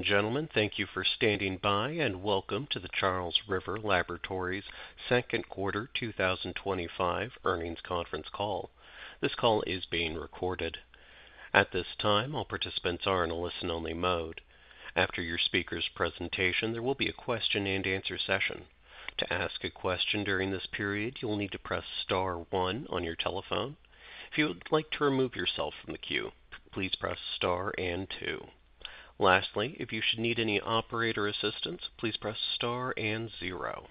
Gentlemen, thank you for standing by and welcome to the Charles River Laboratories' Second Quarter 2025 Earnings Conference Call. This call is being recorded. At this time, all participants are in a listen-only mode. After your speaker's presentation, there will be a question-and-answer session. To ask a question during this period, you will need to press star one on your telephone. If you would like to remove yourself from the queue, please press star and two. Lastly, if you should need any operator assistance, please press star and zero.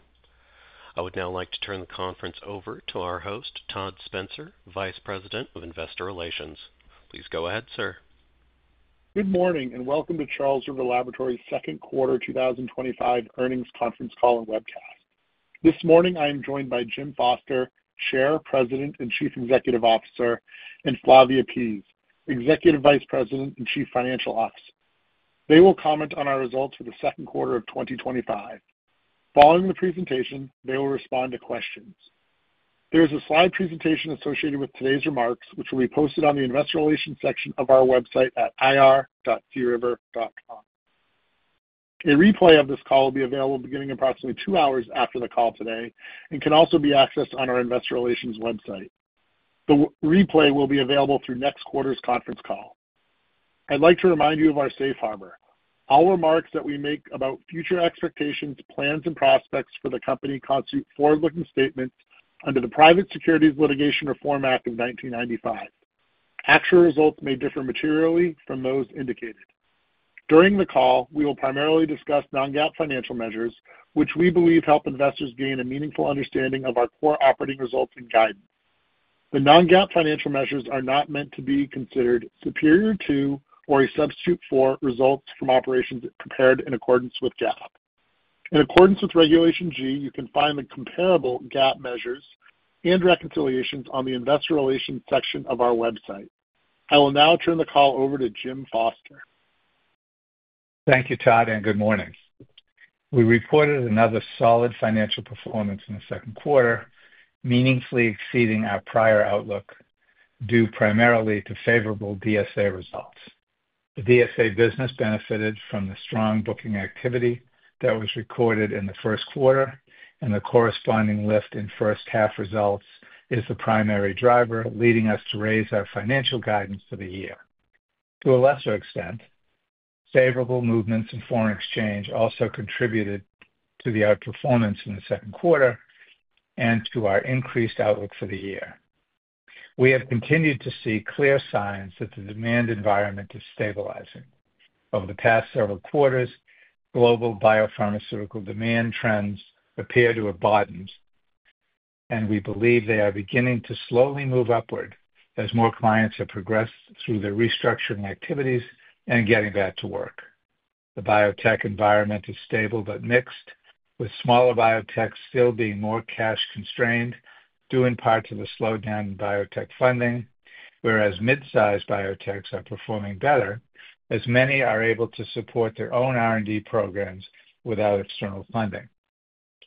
I would now like to turn the conference over to our host, Todd Spencer, Vice President of Investor Relations. Please go ahead, sir. Good morning and welcome to Charles River Laboratories' Second Quarter 2025 Earnings Conference Call and Webcast. This morning, I am joined by Jim Foster, Chair, President and Chief Executive Officer, and Flavia Pease, Executive Vice President and Chief Financial Officer. They will comment on our results for the second quarter of 2025. Following the presentation, they will respond to questions. There is a slide presentation associated with today's remarks, which will be posted on the Investor Relations section of our website at ir.criver.com. A replay of this call will be available beginning approximately two hours after the call today and can also be accessed on our Investor Relations website. The replay will be available through next quarter's conference call. I'd like to remind you of our safe harbor. All remarks that we make about future expectations, plans, and prospects for the company constitute forward-looking statements under the Private Securities Litigation Reform Act of 1995. Actual results may differ materially from those indicated. During the call, we will primarily discuss non-GAAP financial measures, which we believe help investors gain a meaningful understanding of our core operating results and guidance. The non-GAAP financial measures are not meant to be considered superior to or a substitute for results from operations prepared in accordance with GAAP. In accordance with Regulation G, you can find the comparable GAAP measures and reconciliations on the Investor Relations section of our website. I will now turn the call over to Jim Foster. Thank you, Todd, and good morning. We reported another solid financial performance in the second quarter, meaningfully exceeding our prior outlook, due primarily to favorable DSA results. The DSA business benefited from the strong booking activity that was recorded in the first quarter, and the corresponding lift in first half results is the primary driver leading us to raise our financial guidance for the year. To a lesser extent, favorable movements in foreign exchange also contributed to the outperformance in the second quarter and to our increased outlook for the year. We have continued to see clear signs that the demand environment is stabilizing. Over the past several quarters, global biopharmaceutical demand trends appear to have bottomed, and we believe they are beginning to slowly move upward as more clients have progressed through their restructuring activities and getting back to work. The biotech environment is stable but mixed, with smaller biotechs still being more cash constrained, due in part to the slowdown in biotech funding, whereas mid-sized biotechs are performing better as many are able to support their own R&D programs without external funding.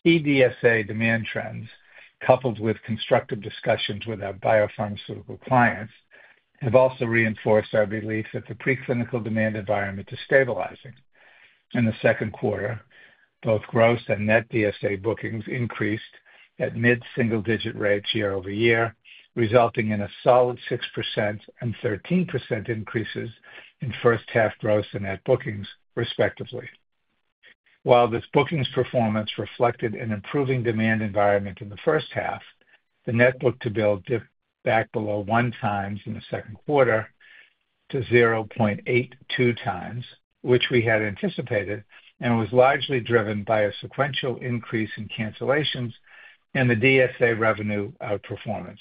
DSA demand trends, coupled with constructive discussions with our biopharmaceutical clients, have also reinforced our belief that the preclinical demand environment is stabilizing. In the second quarter, both gross and net DSA bookings increased at mid-single-digit rates year-over-year, resulting in a solid 6% and 13% increases in first half gross and net bookings, respectively. While this bookings performance reflected an improving demand environment in the first half, the net book-to-bill dipped back below one times in the second quarter to 0.82 times, which we had anticipated and was largely driven by a sequential increase in cancellations and the DSA revenue outperformance.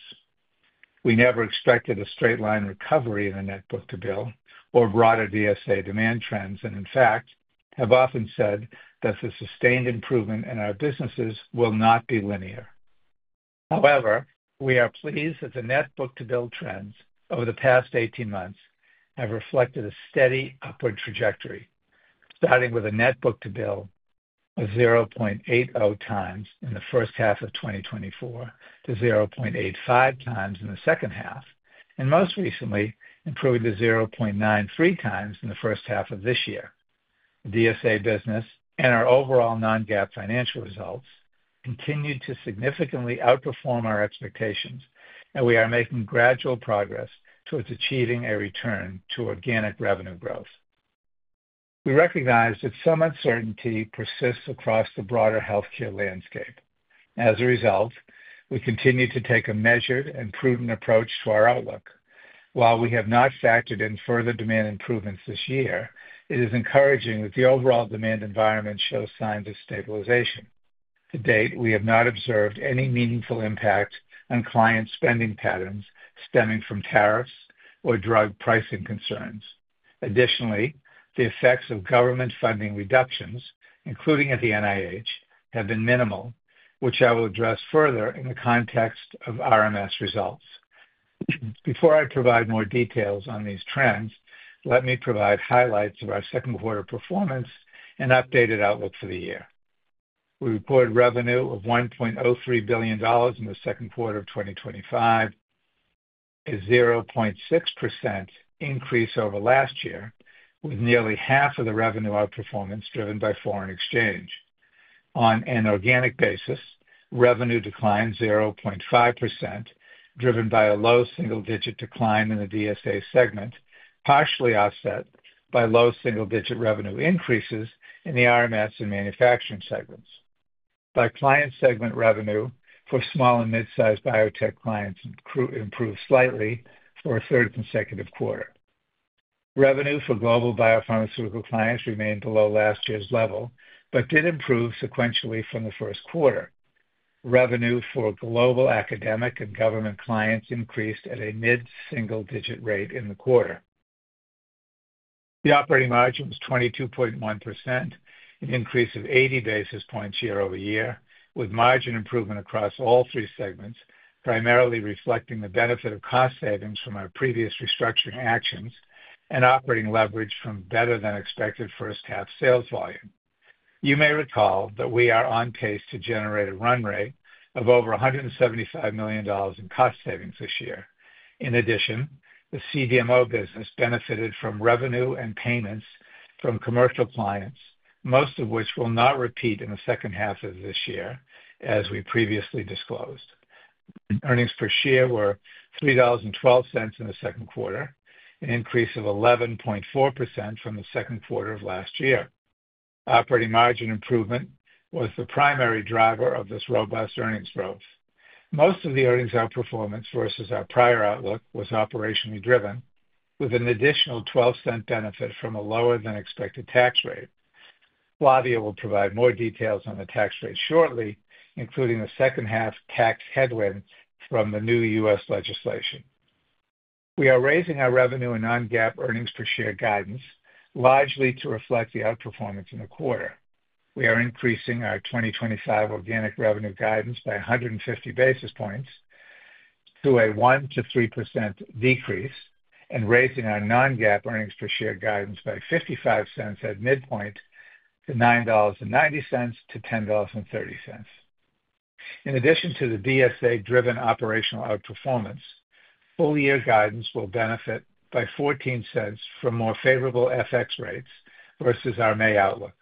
We never expected a straight line recovery in the net book-to-bill or broader DSA demand trends, and in fact, have often said that the sustained improvement in our businesses will not be linear. However, we are pleased that the net book-to-bill trends over the past 18 months have reflected a steady upward trajectory, starting with a net book-to-bill of 0.80 times in the first half of 2024 to 0.85 times in the second half, and most recently improved to 0.93 times in the first half of this year. The DSA business and our overall non-GAAP financial results continue to significantly outperform our expectations, and we are making gradual progress towards achieving a return to organic revenue growth. We recognize that some uncertainty persists across the broader healthcare landscape. As a result, we continue to take a measured and prudent approach to our outlook. While we have not factored in further demand improvements this year, it is encouraging that the overall demand environment shows signs of stabilization. To date, we have not observed any meaningful impact on client spending patterns stemming from tariffs or drug pricing concerns. Additionally, the effects of government funding reductions, including at the NIH, have been minimal, which I will address further in the context of RMS results. Before I provide more details on these trends, let me provide highlights of our second quarter performance and updated outlook for the year. We reported revenue of $1.03 billion in the second quarter of 2025, a 0.6% increase over last year, with nearly half of the revenue outperformance driven by foreign exchange. On an organic basis, revenue declined 0.5%, driven by a low single-digit decline in the DSA segment, partially offset by low single-digit revenue increases in the RMS and manufacturing segments. By client segment, revenue for small and mid-sized biotech clients improved slightly for a third consecutive quarter. Revenue for global biopharmaceutical clients remained below last year's level, but did improve sequentially from the first quarter. Revenue for global academic and government clients increased at a mid-single-digit rate in the quarter. The operating margin was 22.1%, an increase of 80 basis points year-over-year, with margin improvement across all three segments, primarily reflecting the benefit of cost savings from our previous restructuring actions and operating leverage from better-than-expected first-half sales volume. You may recall that we are on pace to generate a run rate of over $175 million in cost savings this year. In addition, the CDMO business benefited from revenue and payments from commercial clients, most of which will not repeat in the second half of this year, as we previously disclosed. Earnings per share were $3.12 in the second quarter, an increase of 11.4% from the second quarter of last year. Operating margin improvement was the primary driver of this robust earnings growth. Most of the earnings outperformance versus our prior outlook was operationally driven, with an additional $0.12 benefit from a lower-than-expected tax rate. Flavia will provide more details on the tax rate shortly, including the second half tax headwind from the new U.S. legislation. We are raising our revenue and non-GAAP earnings per share guidance, largely to reflect the outperformance in the quarter. We are increasing our 2025 organic revenue guidance by 150 basis points to a 1%-3% decrease and raising our non-GAAP earnings per share guidance by $0.55 at midpoint to $9.90-$10.30. In addition to the DSA-driven operational outperformance, full-year guidance will benefit by $0.14 from more favorable FX rates versus our May outlook.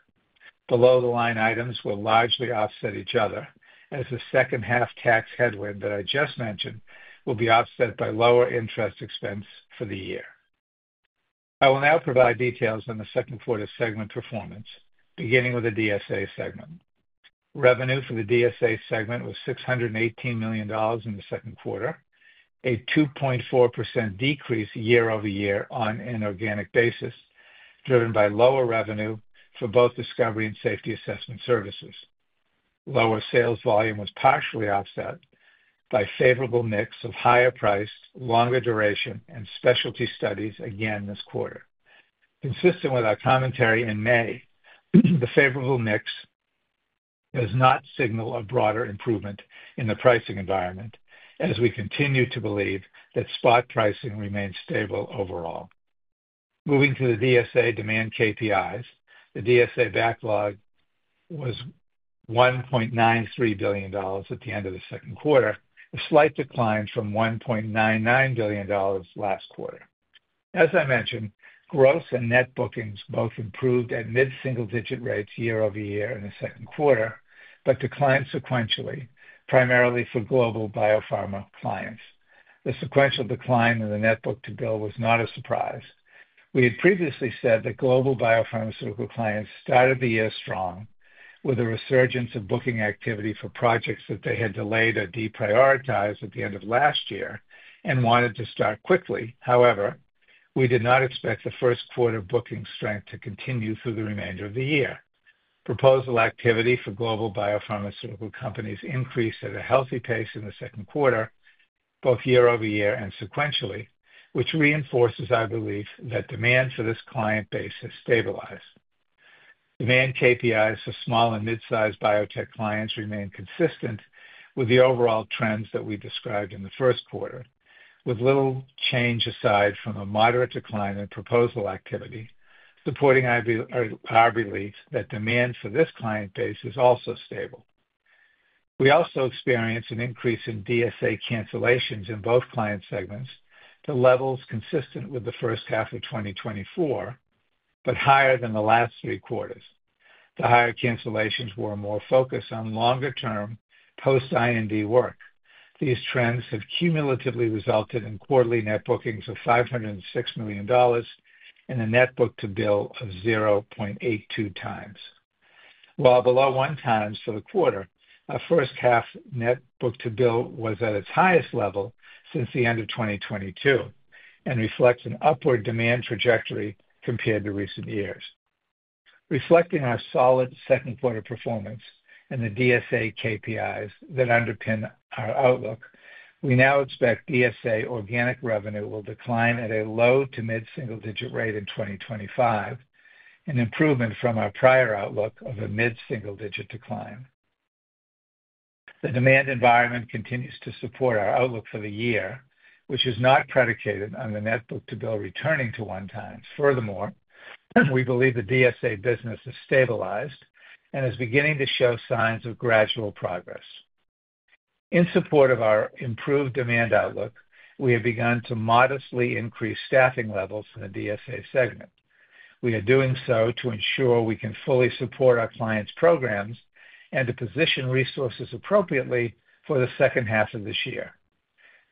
Below-the-line items will largely offset each other, as the second half tax headwind that I just mentioned will be offset by lower interest expense for the year. I will now provide details on the second quarter segment performance, beginning with the DSA segment. Revenue for the DSA segment was $618 million in the second quarter, a 2.4% decrease year-over-year on an organic basis, driven by lower revenue for both discovery and safety assessment services. Lower sales volume was partially offset by a favorable mix of higher price, longer duration, and specialty studies again this quarter. Consistent with our commentary in May, the favorable mix does not signal a broader improvement in the pricing environment, as we continue to believe that spot pricing remains stable overall. Moving to the DSA demand KPIs, the DSA backlog was $1.93 billion at the end of the second quarter, a slight decline from $1.99 billion last quarter. As I mentioned, gross and net bookings both improved at mid-single-digit rates year-over-year in the second quarter, but declined sequentially, primarily for global biopharma clients. The sequential decline in the net book-to-bill was not a surprise. We had previously said that global biopharmaceutical clients started the year strong, with a resurgence of booking activity for projects that they had delayed or deprioritized at the end of last year and wanted to start quickly. However, we did not expect the first quarter booking strength to continue through the remainder of the year. Proposal activity for global biopharmaceutical companies increased at a healthy pace in the second quarter, both year-over-year and sequentially, which reinforces our belief that demand for this client base has stabilized. Demand KPIs for small and mid-sized biotech clients remain consistent with the overall trends that we described in the first quarter, with little change aside from a moderate decline in proposal activity, supporting our belief that demand for this client base is also stable. We also experienced an increase in DSA cancellations in both client segments to levels consistent with the first half of 2024, but higher than the last three quarters. The higher cancellations were more focused on longer-term post-I&D work. These trends have cumulatively resulted in quarterly net bookings of $506 million and a net book-to-bill of 0.82 times. While below one times for the quarter, our first half net book-to-bill was at its highest level since the end of 2022 and reflects an upward demand trajectory compared to recent years. Reflecting our solid second quarter performance and the DSA KPIs that underpin our outlook, we now expect DSA organic revenue will decline at a low to mid-single-digit rate in 2025, an improvement from our prior outlook of a mid-single-digit decline. The demand environment continues to support our outlook for the year, which is not predicated on the net book-to-bill returning to one times. Furthermore, we believe the DSA business is stabilized and is beginning to show signs of gradual progress. In support of our improved demand outlook, we have begun to modestly increase staffing levels in the DSA segment. We are doing so to ensure we can fully support our clients' programs and to position resources appropriately for the second half of this year.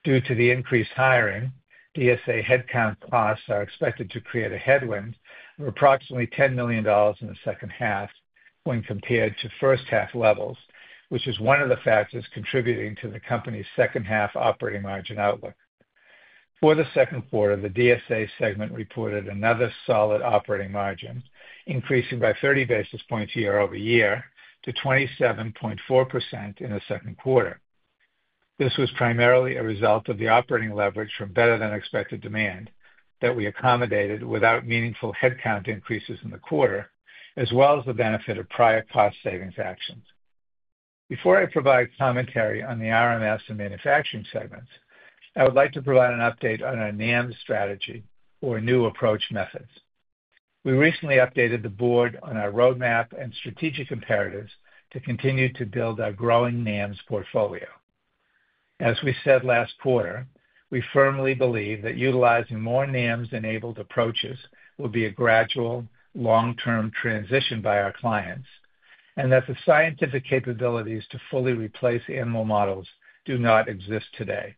Due to the increased hiring, DSA headcount costs are expected to create a headwind of approximately $10 million in the second half when compared to first half levels, which is one of the factors contributing to the company's second half operating margin outlook. For the second quarter, the DSA segment reported another solid operating margin, increasing by 30 basis points year-over-year to 27.4% in the second quarter. This was primarily a result of the operating leverage from better-than-expected demand that we accommodated without meaningful headcount increases in the quarter, as well as the benefit of prior cost savings actions. Before I provide commentary on the RMS and manufacturing segments, I would like to provide an update on our NAM strategy or New Approach Methods. We recently updated the Board on our roadmap and strategic imperatives to continue to build our growing NAMs portfolio. As we said last quarter, we firmly believe that utilizing more NAMs-enabled approaches will be a gradual, long-term transition by our clients and that the scientific capabilities to fully replace animal models do not exist today.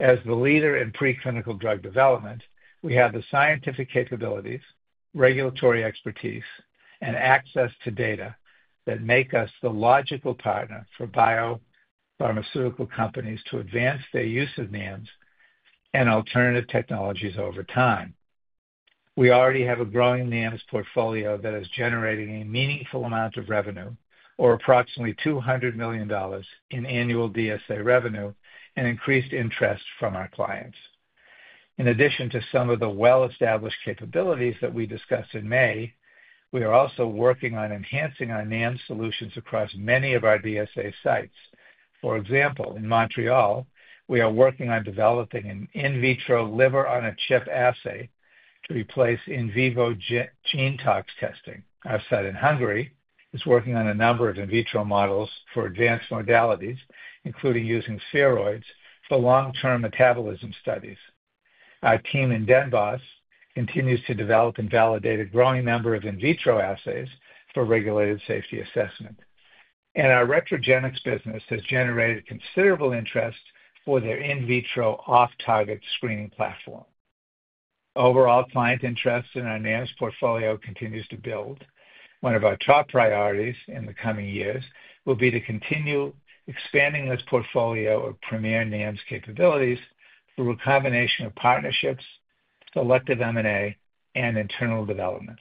As the leader in preclinical drug development, we have the scientific capabilities, regulatory expertise, and access to data that make us the logical partner for biopharmaceutical companies to advance their use of NAMs and alternative technologies over time. We already have a growing NAMs portfolio that is generating a meaningful amount of revenue, or approximately $200 million in annual DSA revenue, and increased interest from our clients. In addition to some of the well-established capabilities that we discussed in May, we are also working on enhancing our NAM solutions across many of our DSA sites. For example, in Montreal, we are working on developing an in vitro liver-on-a-chip assay to replace in vivo gene tox testing. Our site in Hungary is working on a number of in vitro models for advanced modalities, including using steroids for long-term metabolism studies. Our team in Den Bosch continues to develop and validate a growing number of in vitro assays for regulated safety assessment. Our Retrogenics business has generated considerable interest for their in vitro off-target screening platform. Overall, client interest in our NAMs portfolio continues to build. One of our top priorities in the coming years will be to continue expanding this portfolio of premier NAMs capabilities through a combination of partnerships, selective M&A, and internal development.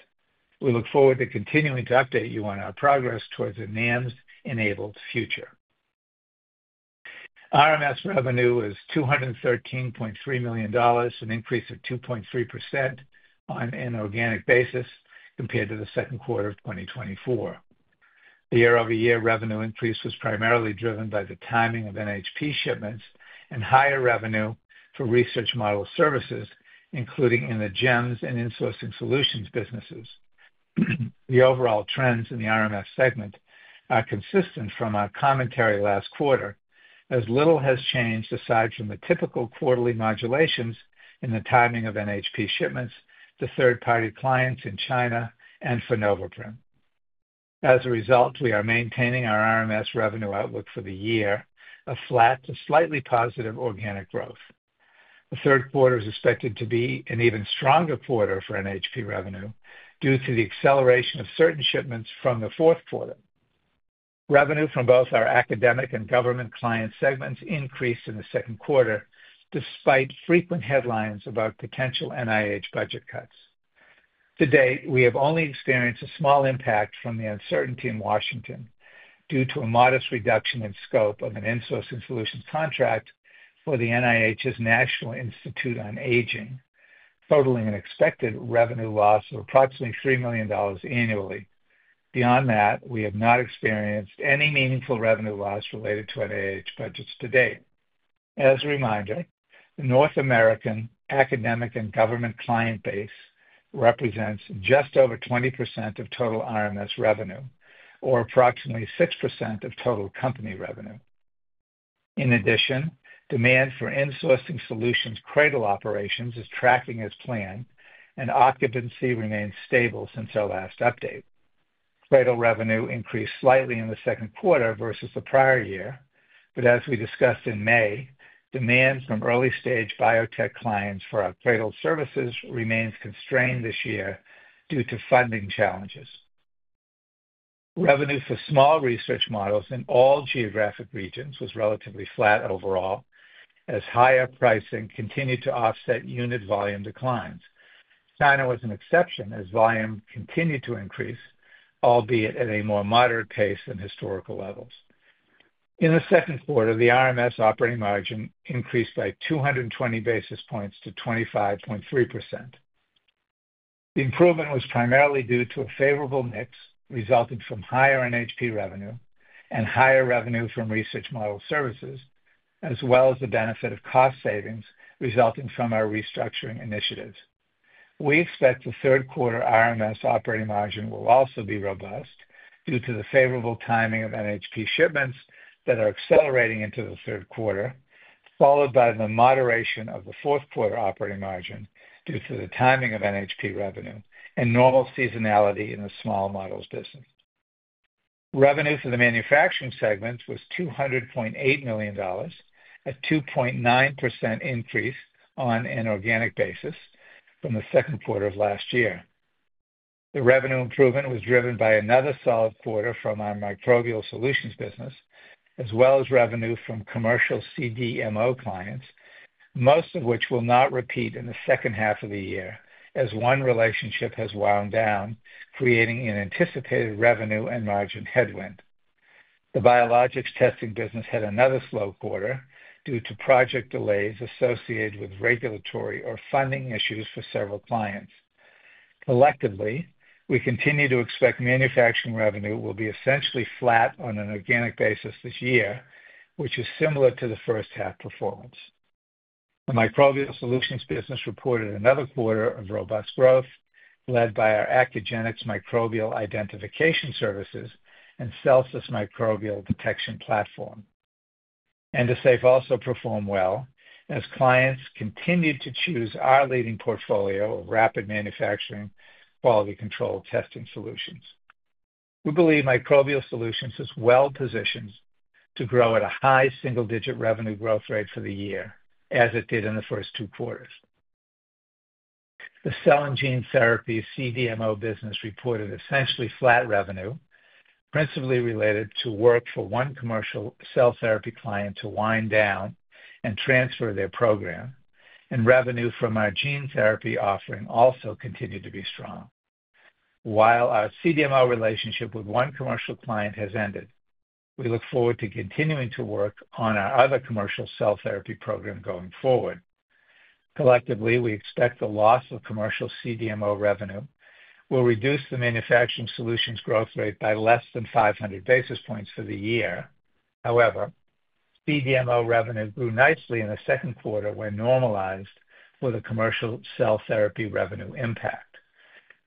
We look forward to continuing to update you on our progress towards a NAMs-enabled future. RMS revenue is $213.3 million, an increase of 2.3% on an organic basis compared to the second quarter of 2024. The year-over-year revenue increase was primarily driven by the timing of NHP shipments and higher revenue for research model services, including in the GEMS and Insourcing Solutions businesses. The overall trends in the RMS segment are consistent from our commentary last quarter, as little has changed aside from the typical quarterly modulations in the timing of NHP shipments to third-party clients in China and for Noveprim. As a result, we are maintaining our RMS revenue outlook for the year of flat to slightly positive organic growth. The third quarter is expected to be an even stronger quarter for NHP revenue due to the acceleration of certain shipments from the fourth quarter. Revenue from both our academic and government client segments increased in the second quarter despite frequent headlines about potential NIH budget cuts. To date, we have only experienced a small impact from the uncertainty in Washington due to a modest reduction in scope of an insourcing solutions contract for the NIH's National Institute on Aging, totaling an expected revenue loss of approximately $3 million annually. Beyond that, we have not experienced any meaningful revenue loss related to NIH budgets to date. As a reminder, the North American academic and government client base represents just over 20% of total RMS revenue, or approximately 6% of total company revenue. In addition, demand for insourcing solutions CRADL operations is tracking as planned, and occupancy remains stable since our last update. CRADL revenue increased slightly in the second quarter versus the prior year, but as we discussed in May, demand from early-stage biotech clients for our CRADL services remains constrained this year due to funding challenges. Revenue for small research models in all geographic regions was relatively flat overall, as higher pricing continued to offset unit volume declines. China was an exception as volume continued to increase, albeit at a more moderate pace than historical levels. In the second quarter, the RMS operating margin increased by 220 basis points to 25.3%. The improvement was primarily due to a favorable mix resulting from higher NHP revenue and higher revenue from research model services, as well as the benefit of cost savings resulting from our restructuring initiatives. We expect the third quarter RMS operating margin will also be robust due to the favorable timing of NHP shipments that are accelerating into the third quarter, followed by the moderation of the fourth quarter operating margin due to the timing of NHP revenue and normal seasonality in the small models business. Revenue for the manufacturing segments was $200.8 million, a 2.9% increase on an organic basis from the second quarter of last year. The revenue improvement was driven by another solid quarter from our microbial solutions business, as well as revenue from commercial CDMO clients, most of which will not repeat in the second half of the year as one relationship has wound down, creating an anticipated revenue and margin headwind. The biologics testing business had another slow quarter due to project delays associated with regulatory or funding issues for several clients. Collectively, we continue to expect manufacturing revenue will be essentially flat on an organic basis this year, which is similar to the first half performance. The microbial solutions business reported another quarter of robust growth led by our Accugenix microbial identification services and Celsis microbial detection platform. Endosafe also performed well as clients continued to choose our leading portfolio of rapid manufacturing quality control testing solutions. We believe microbial solutions is well positioned to grow at a high single-digit revenue growth rate for the year, as it did in the first two quarters. The cell and gene therapy CDMO business reported essentially flat revenue, principally related to work for one commercial cell therapy client to wind down and transfer their program, and revenue from our gene therapy offering also continued to be strong. While our CDMO relationship with one commercial client has ended, we look forward to continuing to work on our other commercial cell therapy program going forward. Collectively, we expect the loss of commercial CDMO revenue will reduce the manufacturing solutions growth rate by less than 500 basis points for the year. However, CDMO revenue grew nicely in the second quarter when normalized for the commercial cell therapy revenue impact.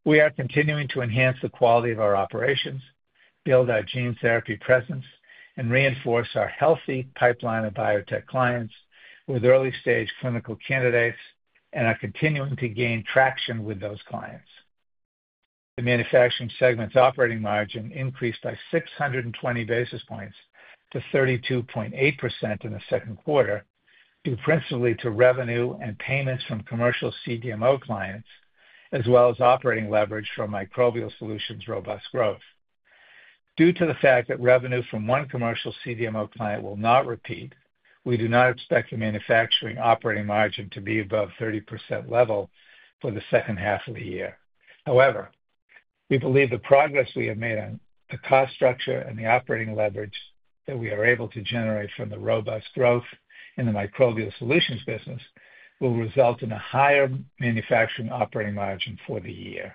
We are continuing to enhance the quality of our operations, build our gene therapy presence, and reinforce our healthy pipeline of biotech clients with early-stage clinical candidates and are continuing to gain traction with those clients. The manufacturing segment's operating margin increased by 620 basis points to 32.8% in the second quarter, due principally to revenue and payments from commercial CDMO clients, as well as operating leverage from microbial solutions' robust growth. Due to the fact that revenue from one commercial CDMO client will not repeat, we do not expect the manufacturing operating margin to be above the 30% level for the second half of the year. However, we believe the progress we have made on the cost structure and the operating leverage that we are able to generate from the robust growth in the microbial solutions business will result in a higher manufacturing operating margin for the year.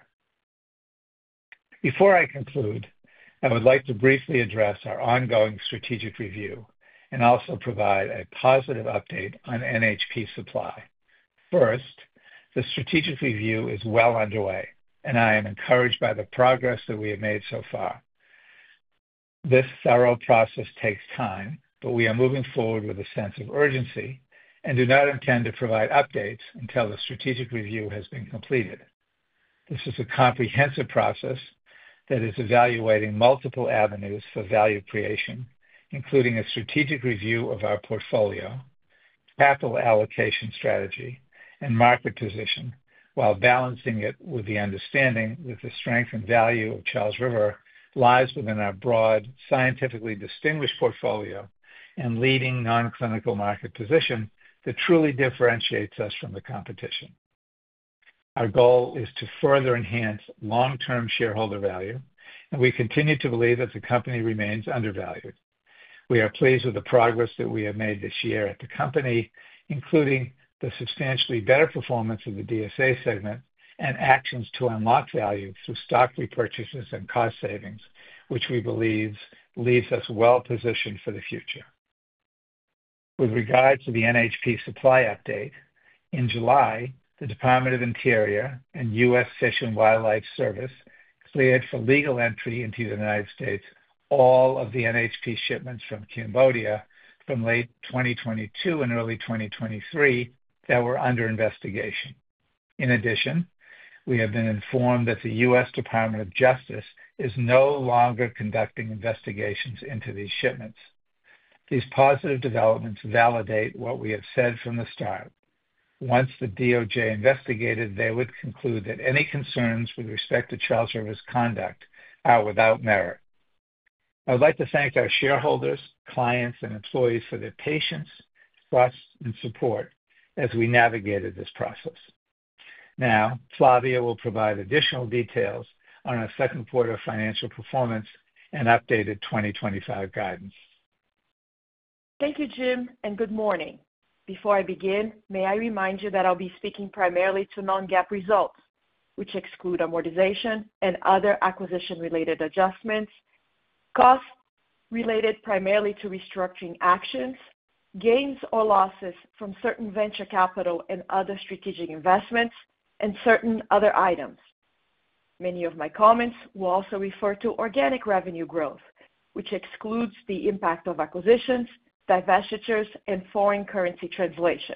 Before I conclude, I would like to briefly address our ongoing strategic review and also provide a positive update on NHP supply. First, the strategic review is well underway, and I am encouraged by the progress that we have made so far. This thorough process takes time, but we are moving forward with a sense of urgency and do not intend to provide updates until the strategic review has been completed. This is a comprehensive process that is evaluating multiple avenues for value creation, including a strategic review of our portfolio, capital allocation strategy, and market position, while balancing it with the understanding that the strength and value of Charles River lies within our broad, scientifically distinguished portfolio and leading non-clinical market position that truly differentiates us from the competition. Our goal is to further enhance long-term shareholder value, and we continue to believe that the company remains undervalued. We are pleased with the progress that we have made this year at the company, including the substantially better performance of the DSA segment and actions to unlock value through stock repurchases and cost savings, which we believe leaves us well positioned for the future. With regard to the NHP supply update, in July, the Department of the Interior and U.S. Fish and Wildlife Service cleared for legal entry into the United States all of the NHP shipments from Cambodia from late 2022 and early 2023 that were under investigation. In addition, we have been informed that the U.S. Department of Justice is no longer conducting investigations into these shipments. These positive developments validate what we have said from the start. Once the DOJ investigated, they would conclude that any concerns with respect to Charles River's conduct are without merit. I would like to thank our shareholders, clients, and employees for their patience, trust, and support as we navigated this process. Now, Flavia will provide additional details on our second quarter financial performance and updated 2025 guidance. Thank you, Jim, and good morning. Before I begin, may I remind you that I'll be speaking primarily to non-GAAP results, which exclude amortization and other acquisition-related adjustments, costs related primarily to restructuring actions, gains or losses from certain venture capital and other strategic investments, and certain other items. Many of my comments will also refer to organic revenue growth, which excludes the impact of acquisitions, divestitures, and foreign currency translation.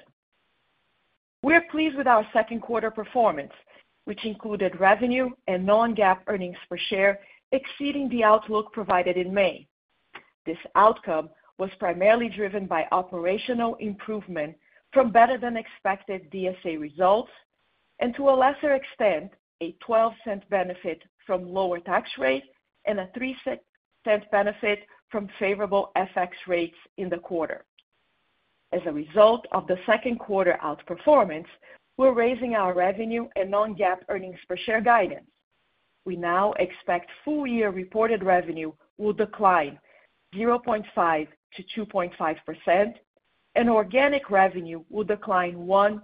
We are pleased with our second quarter performance, which included revenue and non-GAAP earnings per share exceeding the outlook provided in May. This outcome was primarily driven by operational improvement from better-than-expected DSA results and, to a lesser extent, a $0.12 benefit from lower tax rates and a $0.03 benefit from favorable FX rates in the quarter. As a result of the second quarter outperformance, we're raising our revenue and non-GAAP earnings per share guidance. We now expect full-year reported revenue will decline 0.5%-2.5%, and organic revenue will decline 1%-3%.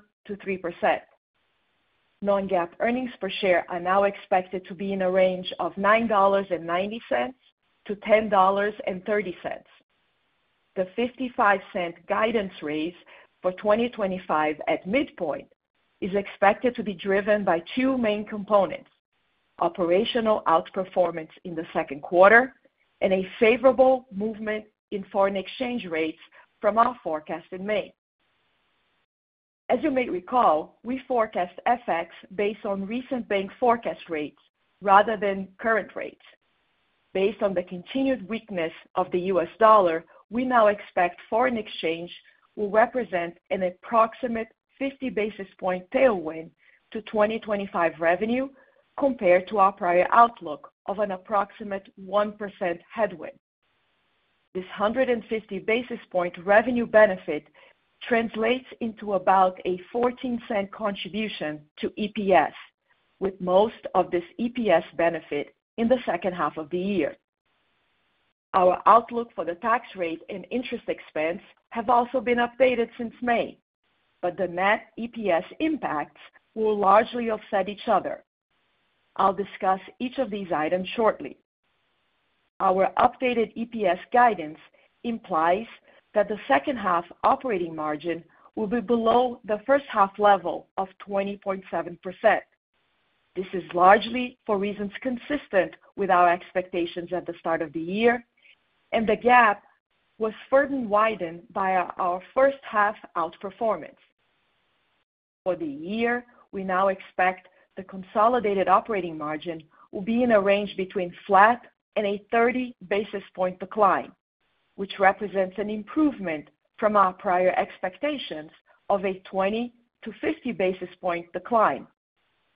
Non-GAAP earnings per share are now expected to be in a range of $9.90-$10.30. The $0.55 guidance raise for 2025 at midpoint is expected to be driven by two main components: operational outperformance in the second quarter and a favorable movement in foreign exchange rates from our forecast in May. As you may recall, we forecast FX based on recent bank forecast rates rather than current rates. Based on the continued weakness of the U.S. dollar, we now expect foreign exchange will represent an approximate 50 basis point tailwind to 2025 revenue compared to our prior outlook of an approximate 1% headwind. This 150 basis point revenue benefit translates into about a $0.14 contribution to EPS, with most of this EPS benefit in the second half of the year. Our outlook for the tax rate and interest expense have also been updated since May, but the net EPS impacts will largely offset each other. I'll discuss each of these items shortly. Our updated EPS guidance implies that the second half operating margin will be below the first half level of 20.7%. This is largely for reasons consistent with our expectations at the start of the year, and the gap was further widened by our first half outperformance. For the year, we now expect the consolidated operating margin will be in a range between flat and a 30 basis point decline, which represents an improvement from our prior expectations of a 20-50 basis point decline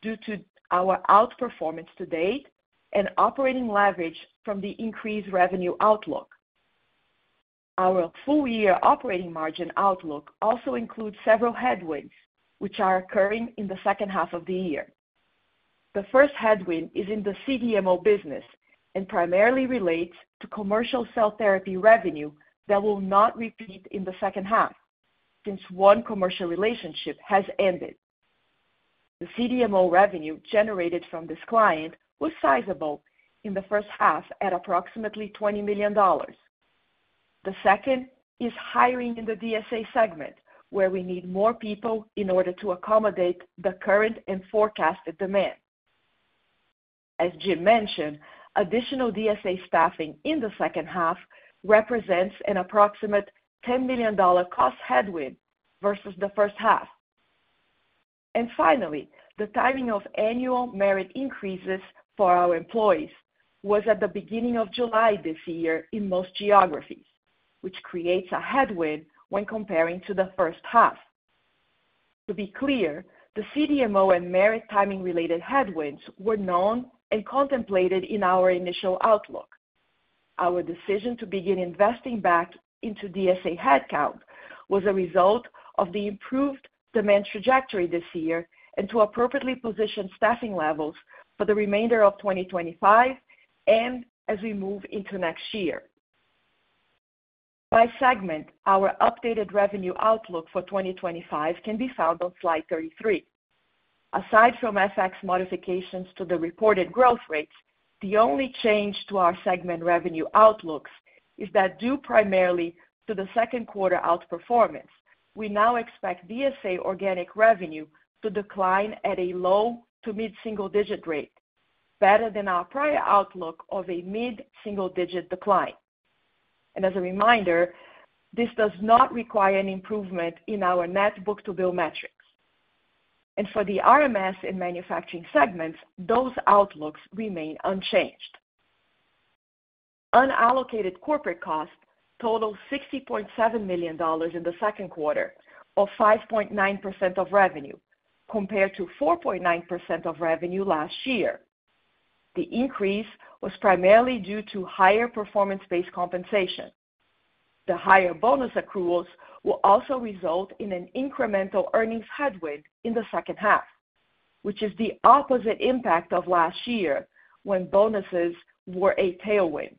due to our outperformance to date and operating leverage from the increased revenue outlook. Our full-year operating margin outlook also includes several headwinds, which are occurring in the second half of the year. The first headwind is in the CDMO business and primarily relates to commercial cell therapy revenue that will not repeat in the second half since one commercial relationship has ended. The CDMO revenue generated from this client was sizable in the first half at approximately $20 million. The second is hiring in the DSA segment, where we need more people in order to accommodate the current and forecasted demand. As Jim mentioned, additional DSA staffing in the second half represents an approximate $10 million cost headwind versus the first half. Finally, the timing of annual merit increases for our employees was at the beginning of July this year in most geographies, which creates a headwind when comparing to the first half. To be clear, the CDMO and merit timing-related headwinds were known and contemplated in our initial outlook. Our decision to begin investing back into DSA headcount was a result of the improved demand trajectory this year and to appropriately position staffing levels for the remainder of 2025 and as we move into next year. By segment, our updated revenue outlook for 2025 can be found on slide 33. Aside from FX modifications to the reported growth rates, the only change to our segment revenue outlooks is that, due primarily to the second quarter outperformance, we now expect DSA organic revenue to decline at a low to mid-single-digit rate, better than our prior outlook of a mid-single-digit decline. As a reminder, this does not require an improvement in our net book-to-bill metrics. For the RMS and manufacturing segments, those outlooks remain unchanged. Unallocated corporate costs total $60.7 million in the second quarter, or 5.9% of revenue, compared to 4.9% of revenue last year. The increase was primarily due to higher performance-based compensation. The higher bonus accruals will also result in an incremental earnings headwind in the second half, which is the opposite impact of last year when bonuses were a tailwind.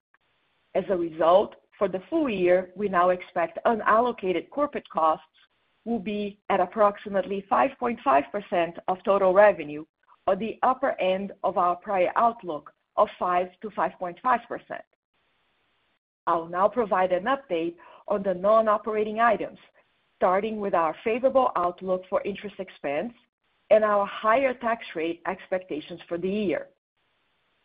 As a result, for the full year, we now expect unallocated corporate costs will be at approximately 5.5% of total revenue, or the upper end of our prior outlook of 5%-5.5%. I'll now provide an update on the non-operating items, starting with our favorable outlook for interest expense and our higher tax rate expectations for the year.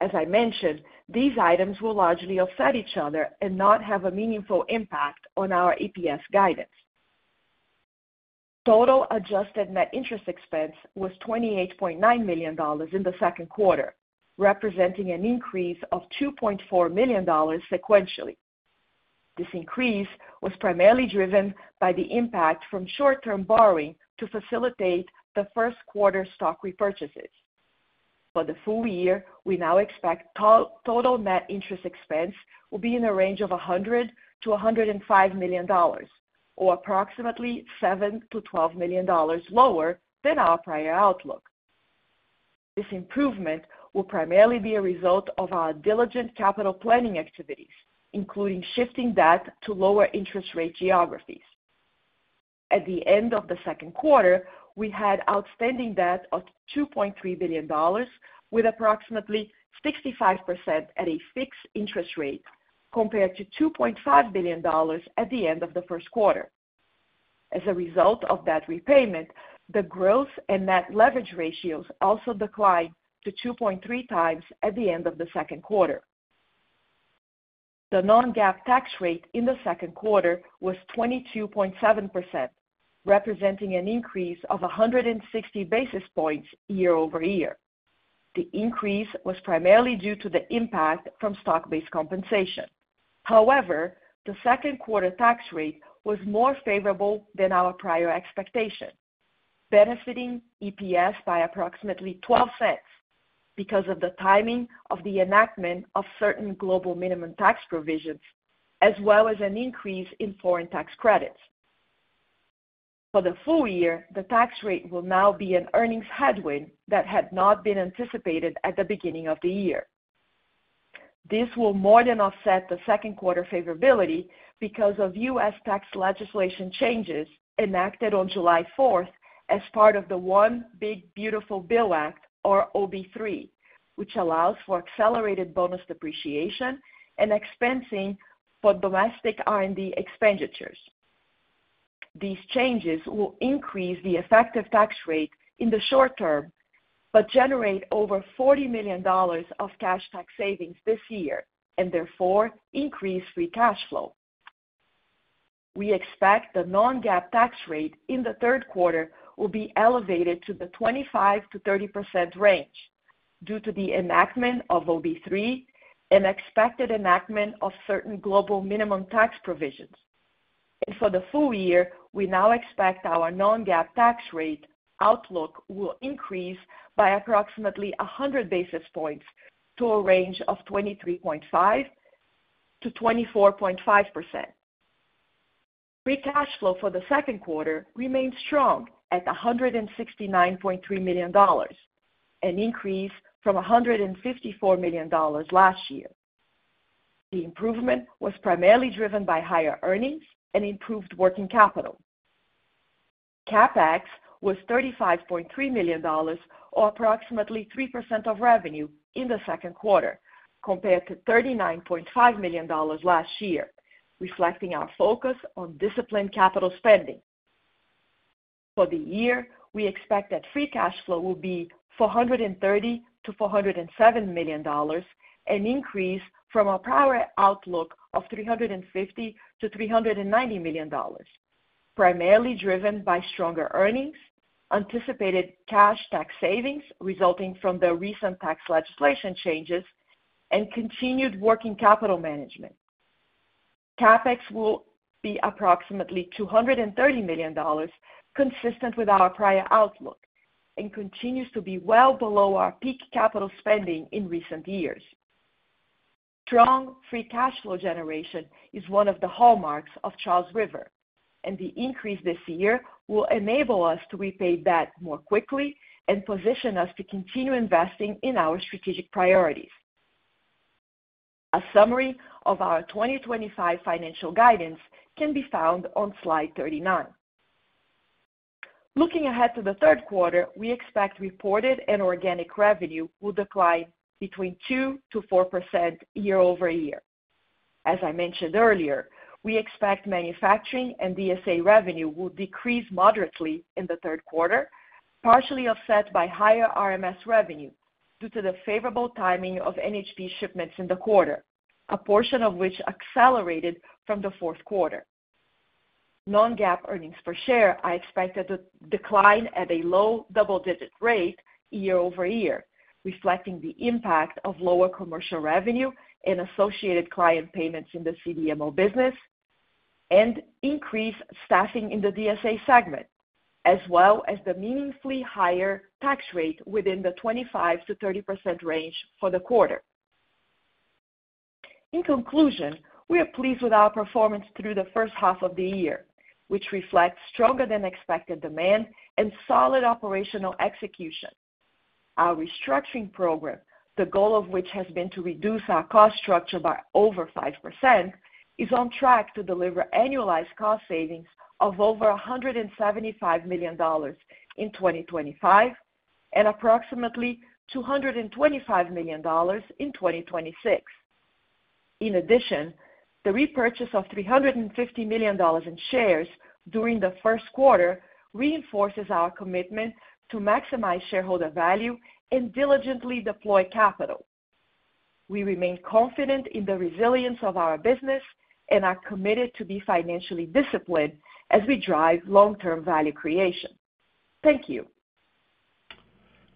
As I mentioned, these items will largely offset each other and not have a meaningful impact on our EPS guidance. Total adjusted net interest expense was $28.9 million in the second quarter, representing an increase of $2.4 million sequentially. This increase was primarily driven by the impact from short-term borrowing to facilitate the first quarter stock repurchases. For the full year, we now expect total net interest expense will be in a range of $100 million-$105 million, or approximately $7 million-$12 million lower than our prior outlook. This improvement will primarily be a result of our diligent capital planning activities, including shifting debt to lower interest rate geographies. At the end of the second quarter, we had outstanding debt of $2.3 billion, with approximately 65% at a fixed interest rate compared to $2.5 billion at the end of the first quarter. As a result of that repayment, the growth and net leverage ratios also declined to 2.3 times at the end of the second quarter. The non-GAAP tax rate in the second quarter was 22.7%, representing an increase of 160 basis points year-over-year. The increase was primarily due to the impact from stock-based compensation. However, the second quarter tax rate was more favorable than our prior expectation, benefiting EPS by approximately $0.12 because of the timing of the enactment of certain global minimum tax provisions, as well as an increase in foreign tax credits. For the full year, the tax rate will now be an earnings headwind that had not been anticipated at the beginning of the year. This will more than offset the second quarter favorability because of U.S. tax legislation changes enacted on July 4th as part of the One Big Beautiful Bill Act, or OB3, which allows for accelerated bonus depreciation and expensing for domestic R&D expenditures. These changes will increase the effective tax rate in the short term, but generate over $40 million of cash tax savings this year and therefore increase free cash flow. We expect the non-GAAP tax rate in the third quarter will be elevated to the 25%-30% range due to the enactment of OB3 and expected enactment of certain global minimum tax provisions. For the full year, we now expect our non-GAAP tax rate outlook will increase by approximately 100 basis points to a range of 23.5%-24.5%. Free cash flow for the second quarter remains strong at $169.3 million, an increase from $154 million last year. The improvement was primarily driven by higher earnings and improved working capital. CapEx was $35.3 million, or approximately 3% of revenue in the second quarter, compared to $39.5 million last year, reflecting our focus on disciplined capital spending. For the year, we expect that free cash flow will be $430 million to $407 million, an increase from our prior outlook of $350 million-$390 million, primarily driven by stronger earnings, anticipated cash tax savings resulting from the recent tax legislation changes, and continued working capital management. CapEx will be approximately $230 million, consistent with our prior outlook, and continues to be well below our peak capital spending in recent years. Strong free cash flow generation is one of the hallmarks of Charles River, and the increase this year will enable us to repay debt more quickly and position us to continue investing in our strategic priorities. A summary of our 2025 financial guidance can be found on slide 39. Looking ahead to the third quarter, we expect reported and organic revenue will decline between 2%-4% year-over-year. As I mentioned earlier, we expect manufacturing and DSA revenue will decrease moderately in the third quarter, partially offset by higher RMS revenue due to the favorable timing of NHP shipments in the quarter, a portion of which accelerated from the fourth quarter. Non-GAAP earnings per share are expected to decline at a low double-digit rate year-over-year, reflecting the impact of lower commercial revenue and associated client payments in the CDMO business and increased staffing in the DSA segment, as well as the meaningfully higher tax rate within the 25%-30% range for the quarter. In conclusion, we are pleased with our performance through the first half of the year, which reflects stronger than expected demand and solid operational execution. Our restructuring program, the goal of which has been to reduce our cost structure by over 5%, is on track to deliver annualized cost savings of over $175 million in 2025 and approximately $225 million in 2026. In addition, the repurchase of $350 million in shares during the first quarter reinforces our commitment to maximize shareholder value and diligently deploy capital. We remain confident in the resilience of our business and are committed to be financially disciplined as we drive long-term value creation. Thank you.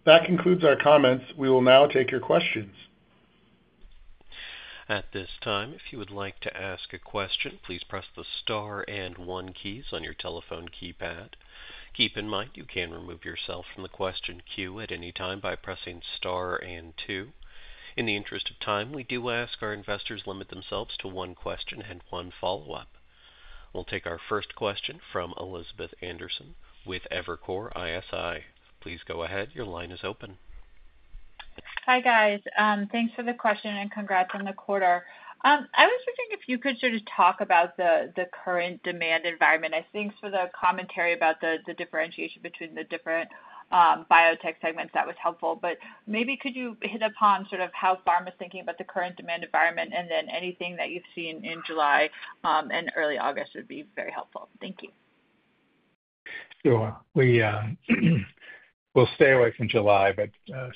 That concludes our comments. We will now take your questions. At this time, if you would like to ask a question, please press the star and one keys on your telephone keypad. Keep in mind you can remove yourself from the question queue at any time by pressing star and two. In the interest of time, we do ask our investors limit themselves to one question and one follow-up. We'll take our first question from Elizabeth Anderson with Evercore ISI. Please go ahead, your line is open. Hi guys, thanks for the question and congrats on the quarter. I was just wondering if you could sort of talk about the current demand environment. Thanks for the commentary about the differentiation between the different biotech segments, that was helpful. Maybe could you hit upon sort of how pharma is thinking about the current demand environment and then anything that you've seen in July and early August would be very helpful. Thank you. Sure, we will stay away from July, but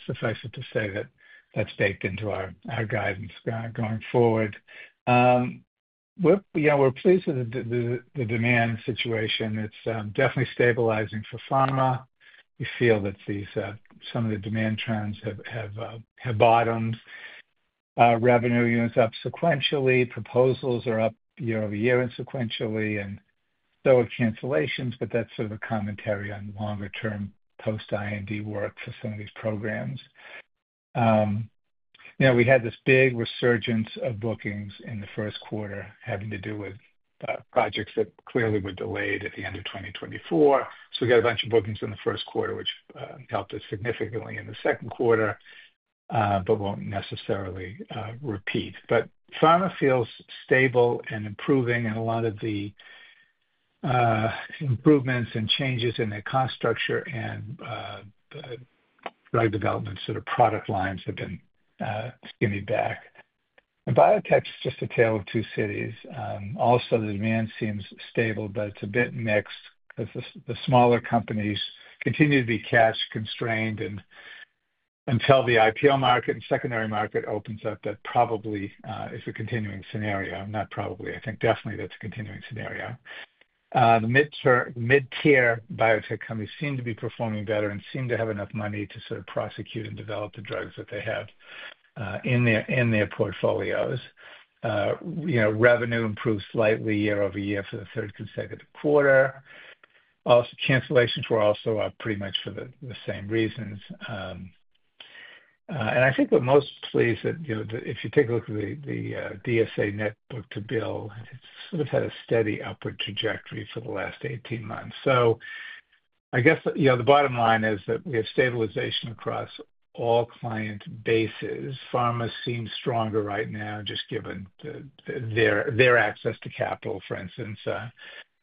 suffice it to say that that's baked into our guidance going forward. We're pleased with the demand situation. It's definitely stabilizing for pharma. We feel that some of the demand trends have bottomed. Revenue units up sequentially, proposals are up year-over-year and sequentially, and there were cancellations, but that's sort of a commentary on longer-term post-I&D work for some of these programs. We had this big resurgence of bookings in the first quarter having to do with projects that clearly were delayed at the end of 2024. We got a bunch of bookings in the first quarter, which helped us significantly in the second quarter, but won't necessarily repeat. Pharma feels stable and improving, and a lot of the improvements and changes in their cost structure and drug development sort of product lines have been skinny back. Biotech is just a tale of two cities. Also, the demand seems stable, but it's a bit mixed because the smaller companies continue to be cash constrained until the IPO market and secondary market opens up. That probably is a continuing scenario. I'm not probably, I think definitely that's a continuing scenario. The mid-tier biotech companies seem to be performing better and seem to have enough money to sort of prosecute and develop the drugs that they have in their portfolios. Revenue improves slightly year-over-year for the third consecutive quarter. Also, cancellations were also up pretty much for the same reasons. I think what most places, if you take a look at the DSA net book-to-bill, it's had a steady upward trajectory for the last 18 months. I guess the bottom line is that we have stabilization across all client bases. Pharma seems stronger right now just given their access to capital. For instance,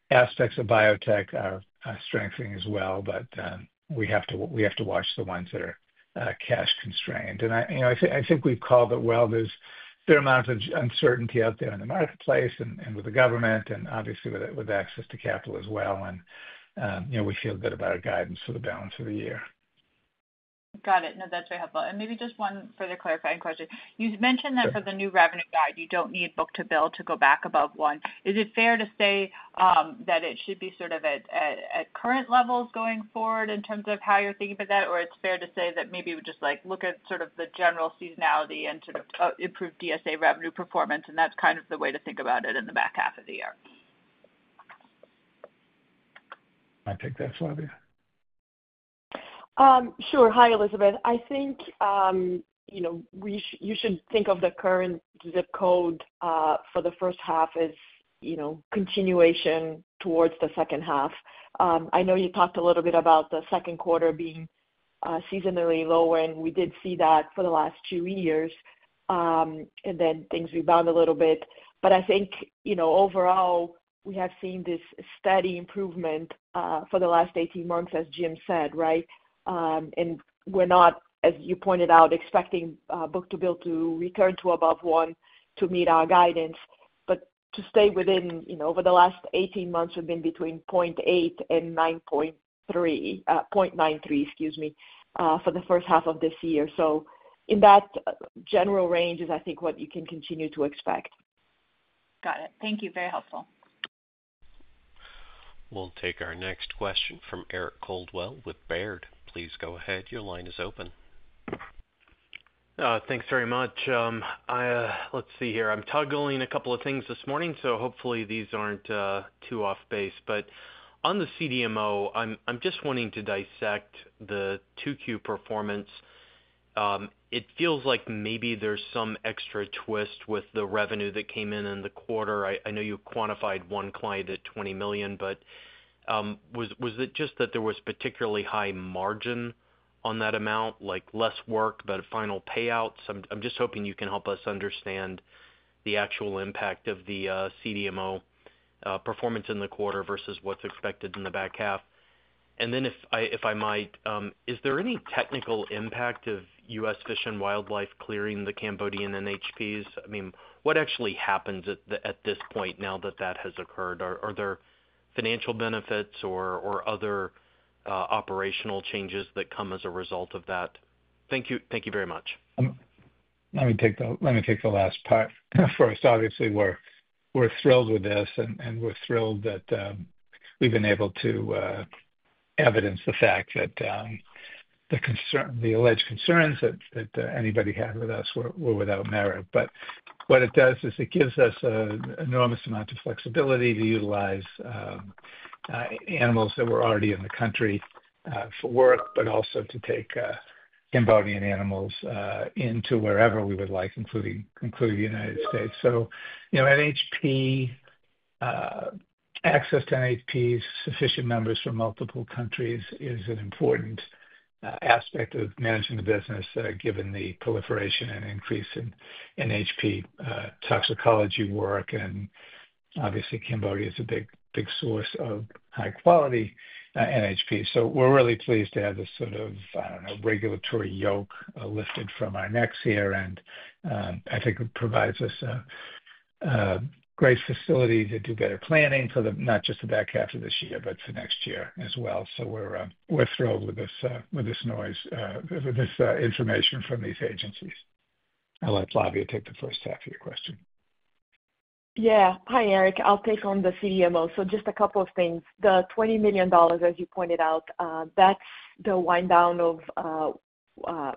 aspects of biotech are strengthening as well, but we have to watch the ones that are cash constrained. I think we've called it well. There's a fair amount of uncertainty out there in the marketplace and with the government and obviously with access to capital as well. We feel good about our guidance for the balance of the year. Got it. No, that's very helpful. Maybe just one further clarifying question. You mentioned that for the new revenue guide, you don't need book-to-bill to go back above one. Is it fair to say that it should be sort of at current levels going forward in terms of how you're thinking about that, or it's fair to say that maybe we just look at sort of the general seasonality and sort of improved DSA revenue performance, and that's kind of the way to think about it in the back half of the year? Want to take that, Flavia? Sure. Hi, Elizabeth. I think you should think of the current zip code for the first half as continuation towards the second half. I know you talked a little bit about the second quarter being seasonally lower, and we did see that for the last two years, and then things rebound a little bit. I think, overall, we have seen this steady improvement for the last 18 months, as Jim said, right? We're not, as you pointed out, expecting book-to-bill to return to above one to meet our guidance. To stay within, over the last 18 months, we've been between 0.8 and 0.93, excuse me, for the first half of this year. In that general range is, I think, what you can continue to expect. Got it. Thank you. Very helpful. We'll take our next question from Eric Caldwell with Baird. Please go ahead. Your line is open. Thanks very much. Let's see here. I'm toggling a couple of things this morning, so hopefully these aren't too off base. On the CDMO, I'm just wanting to dissect the 2Q performance. It feels like maybe there's some extra twist with the revenue that came in in the quarter. I know you quantified one client at $20 million, but was it just that there was particularly high margin on that amount, like less work, but a final payout? I'm just hoping you can help us understand the actual impact of the CDMO performance in the quarter versus what's expected in the back half. If I might, is there any technical impact of U.S. Fish and Wildlife clearing the Cambodian NHPs? I mean, what actually happens at this point now that that has occurred? Are there financial benefits or other operational changes that come as a result of that? Thank you. Thank you very much. Let me take the last part first. Obviously, we're thrilled with this, and we're thrilled that we've been able to evidence the fact that the alleged concerns that anybody had with us were without merit. What it does is it gives us an enormous amount of flexibility to utilize animals that were already in the country for work, but also to take Cambodian animals into wherever we would like, including the United States. You know, NHP, access to NHPs, sufficient numbers from multiple countries is an important aspect of managing the business given the proliferation and increase in NHP toxicology work. Cambodia is a big source of high-quality NHP. We're really pleased to have this sort of, I don't know, regulatory yoke lifted from our necks here. I think it provides us a great facility to do better planning for not just the back half of this year, but for next year as well. We're thrilled with this noise, with this information from these agencies. I'll let Flavia take the first half of your question. Yeah. Hi, Eric. I'll take on the CDMO. So just a couple of things, the $20 million, as you pointed out, that's the wind-down of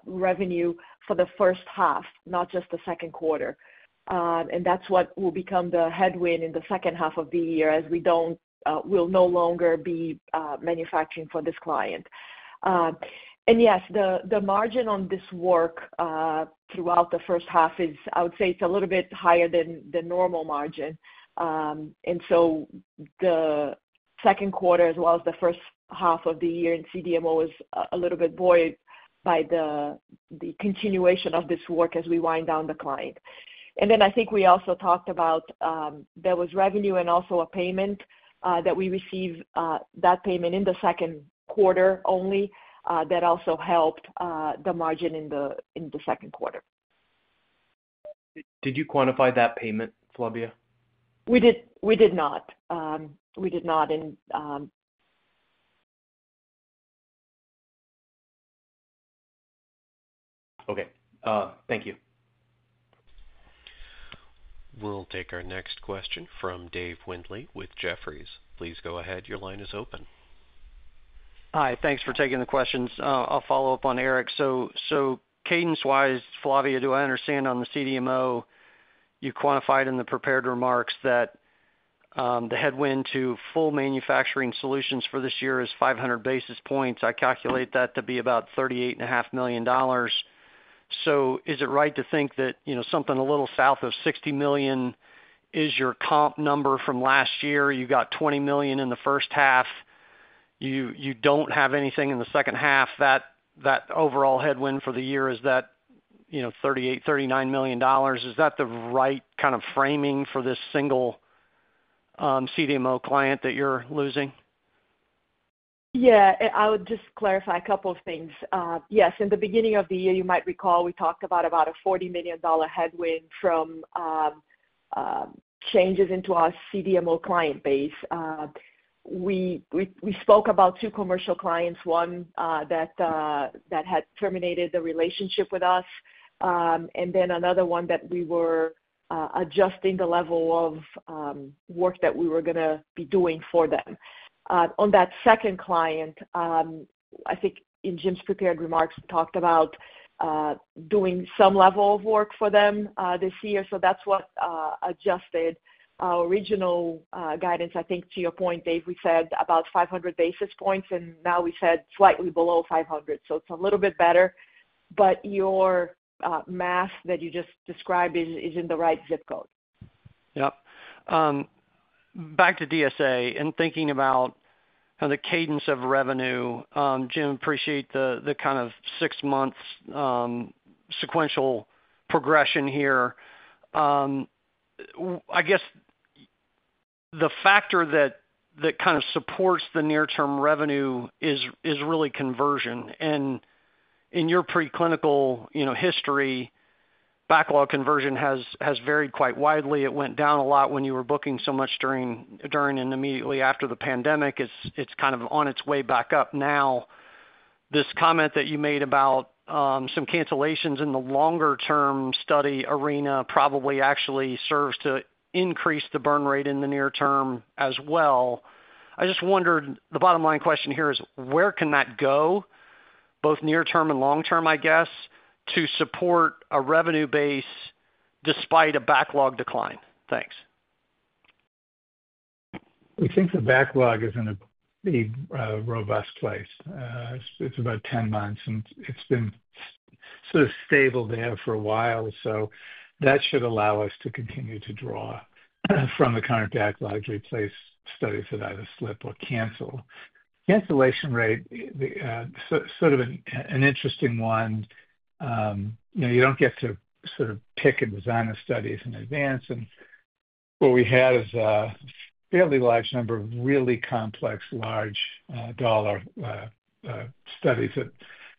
revenue for the first half, not just the second quarter. That's what will become the headwind in the second half of the year as we don't, we'll no longer be manufacturing for this client. Yes, the margin on this work throughout the first half is, I would say, it's a little bit higher than the normal margin. The second quarter, as well as the first half of the year in CDMO, was a little bit buoyed by the continuation of this work as we wind down the client. I think we also talked about there was revenue and also a payment that we received, that payment in the second quarter only, that also helped the margin in the second quarter. Did you quantify that payment, Flavia? We did not. We did not. Okay. Thank you. We'll take our next question from Dave Windley with Jefferies. Please go ahead. Your line is open. Hi. Thanks for taking the questions. I'll follow up on Eric. Cadence-wise, Flavia, do I understand on the CDMO, you quantified in the prepared remarks that the headwind to full manufacturing solutions for this year is 500 basis points. I calculate that to be about $38.5 million. Is it right to think that something a little south of $60 million is your comp number from last year? You got $20 million in the first half. You don't have anything in the second half. That overall headwind for the year is that $38 million-$39 million. Is that the right kind of framing for this single CDMO client that you're losing? Yeah. I would just clarify a couple of things. Yes. In the beginning of the year, you might recall we talked about a $40 million headwind from changes into our CDMO client base. We spoke about two commercial clients, one that had terminated the relationship with us, and then another one that we were adjusting the level of work that we were going to be doing for them. On that second client, I think in Jim's prepared remarks, we talked about doing some level of work for them this year. That's what adjusted our original guidance. I think to your point, Dave, we said about 500 basis points, and now we said slightly below 500. It's a little bit better. Your math that you just described is in the right zip code. Yeah. Back to DSA and thinking about kind of the cadence of revenue, Jim, I appreciate the kind of six months sequential progression here. I guess the factor that kind of supports the near-term revenue is really conversion. In your preclinical history, backlog conversion has varied quite widely. It went down a lot when you were booking so much during and immediately after the pandemic. It's kind of on its way back up now. This comment that you made about some cancellations in the longer-term study arena probably actually serves to increase the burn rate in the near term as well. I just wondered, the bottom line question here is where can that go, both near term and long term, I guess, to support a revenue base despite a backlog decline. Thanks. We think the backlog is in a pretty robust place. It's about 10 months, and it's been sort of stable there for a while. That should allow us to continue to draw from the current backlog to replace studies that either slip or cancel. Cancellation rate is sort of an interesting one. You don't get to sort of pick and design the studies in advance. What we had is a fairly large number of really complex, large dollar studies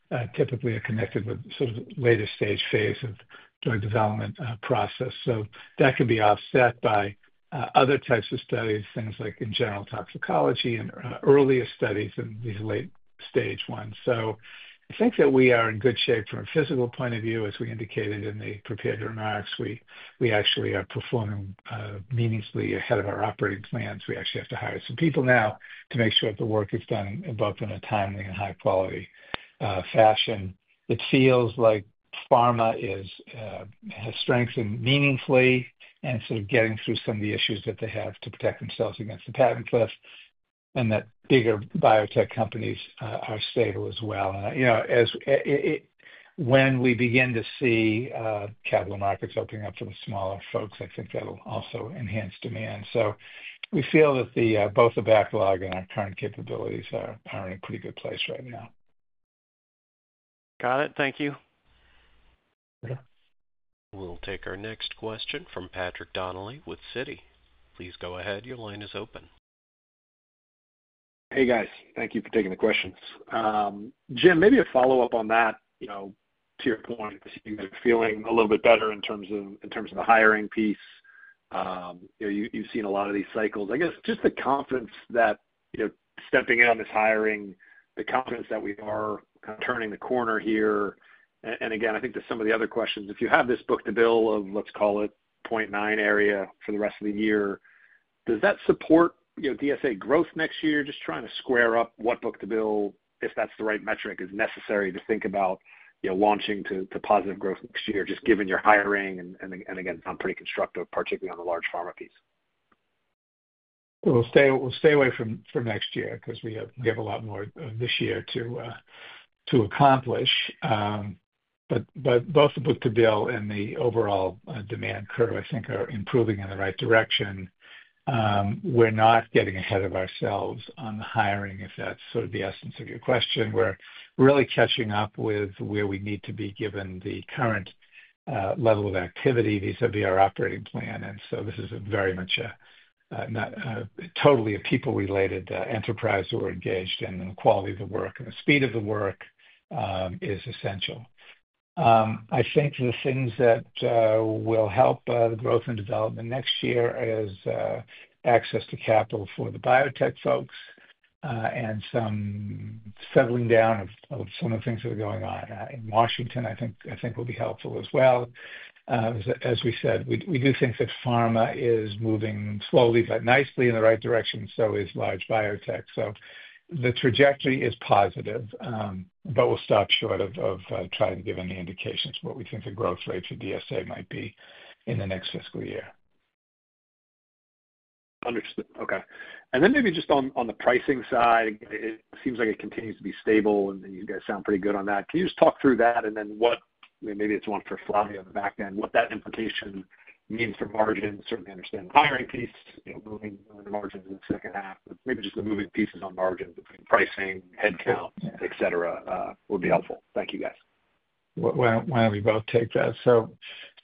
that typically are connected with sort of the later stage phase of the development process. That can be offset by other types of studies, things like in general toxicology and earlier studies than these late stage ones. I think that we are in good shape from a physical point of view. As we indicated in the prepared remarks, we actually are performing meaningfully ahead of our operating plans. We actually have to hire some people now to make sure that the work is done both in a timely and high-quality fashion. It feels like pharma has strengthened meaningfully and is sort of getting through some of the issues that they have to protect themselves against the patent cliff and that bigger biotech companies are stable as well. When we begin to see capital markets opening up for the smaller folks, I think that'll also enhance demand. We feel that both the backlog and our current capabilities are in a pretty good place right now. Got it. Thank you. We'll take our next question from Patrick Donnelly with Citi. Please go ahead. Your line is open. Hey guys, thank you for taking the questions. Jim, maybe a follow-up on that. To your point, I think you're feeling a little bit better in terms of the hiring piece. You've seen a lot of these cycles. I guess just the confidence that, you know, stepping in on this hiring, the confidence that we are kind of turning the corner here. I think to some of the other questions, if you have this book-to-bill of, let's call it, 0.9 area for the rest of the year, does that support DSA growth next year? Just trying to square up what book-to-bill, if that's the right metric, is necessary to think about launching to positive growth next year, just given your hiring and, again, I'm pretty constructive, particularly on the large pharma piece. We'll stay away from next year because we have a lot more this year to accomplish. Both the book-to-bill and the overall demand curve, I think, are improving in the right direction. We're not getting ahead of ourselves on the hiring, if that's sort of the essence of your question. We're really catching up with where we need to be given the current level of activity. These will be our operating plan. This is very much a totally a people-related enterprise that we're engaged in, and the quality of the work and the speed of the work is essential. I think the things that will help the growth and development next year are access to capital for the biotech folks and some settling down of some of the things that are going on in Washington, I think, will be helpful as well. As we said, we do think that pharma is moving slowly but nicely in the right direction, so is large biotech. The trajectory is positive, but we'll stop short of trying to give any indications of what we think the growth rate for DSA might be in the next fiscal year. Understood. Okay. On the pricing side, it seems like it continues to be stable, and you guys sound pretty good on that. Can you just talk through that and then what maybe it's one for Flavia on the back end, what that implication means for margins? Certainly understand the hiring piece, moving the margins in the second half, but maybe just the moving pieces on margins between pricing, headcount, etc., would be helpful. Thank you guys.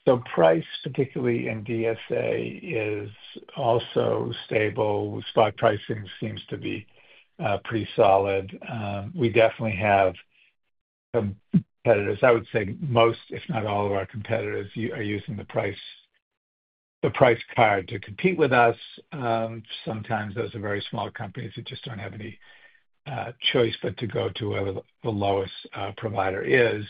The price, particularly in DSA, is also stable. Spot pricing seems to be pretty solid. We definitely have competitors. I would say most, if not all, of our competitors are using the price card to compete with us. Sometimes those are very small companies that just don't have any choice but to go to where the lowest provider is.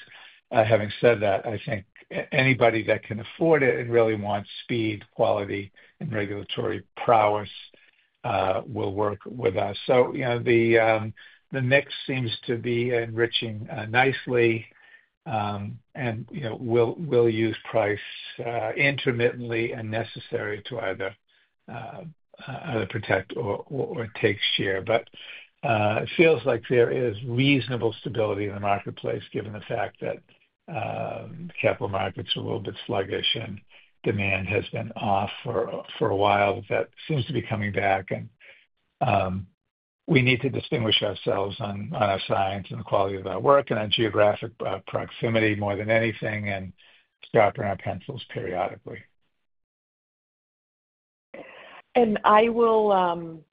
Having said that, I think anybody that can afford it and really wants speed, quality, and regulatory prowess will work with us. The mix seems to be enriching nicely. We'll use price intermittently and as necessary to either protect or take share. It feels like there is reasonable stability in the marketplace given the fact that capital markets are a little bit sluggish and demand has been off for a while. That seems to be coming back. We need to distinguish ourselves on our science and the quality of our work and on geographic proximity more than anything and sharpen our pencils periodically.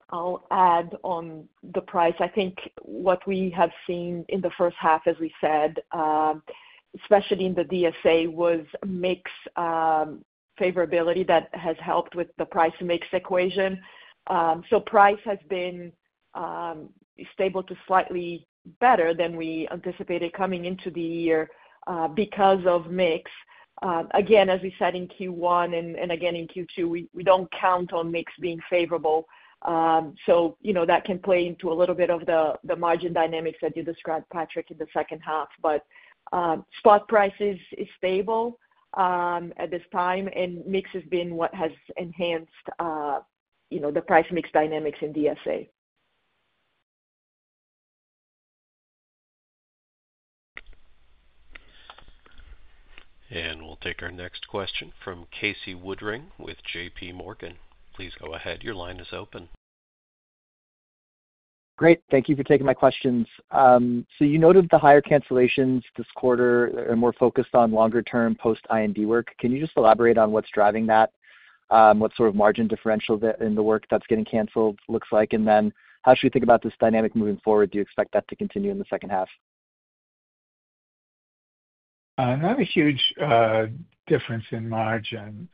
I'll add on the price. I think what we have seen in the first half, as we said, especially in the DSA, was mix favorability that has helped with the price-to-mix equation. Price has been stable to slightly better than we anticipated coming into the year because of mix. Again, as we said in Q1 and again in Q2, we don't count on mix being favorable. You know that can play into a little bit of the margin dynamics that you described, Patrick, in the second half. Spot price is stable at this time, and mix has been what has enhanced the price-mix dynamics in DSA. We will take our next question from Casey Woodring with JPMorgan. Please go ahead. Your line is open. Great. Thank you for taking my questions. You noted the higher cancellations this quarter are more focused on longer-term post-I&D work. Can you just elaborate on what's driving that? What sort of margin differential in the work that's getting canceled looks like? How should we think about this dynamic moving forward? Do you expect that to continue in the second half? Not a huge difference in margin.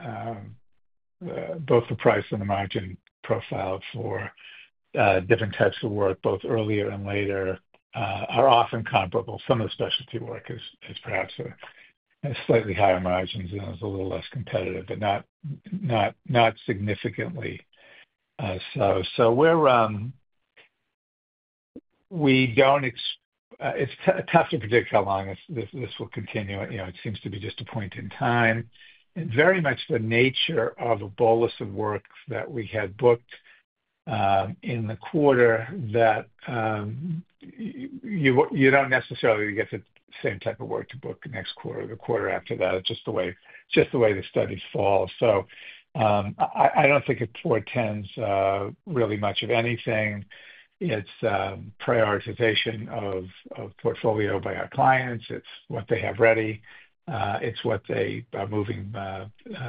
Both the price and the margin profile for different types of work, both earlier and later, are often comparable. Some of the specialty work has perhaps slightly higher margins and is a little less competitive, but not significantly so. It's tough to predict how long this will continue. It seems to be just a point in time. It's very much the nature of the bolus of work that we had booked in the quarter that you don't necessarily get the same type of work to book the next quarter or the quarter after that. It's just the way the studies fall. I don't think it portends really much of anything. It's prioritization of portfolio by our clients. It's what they have ready. It's what they are moving,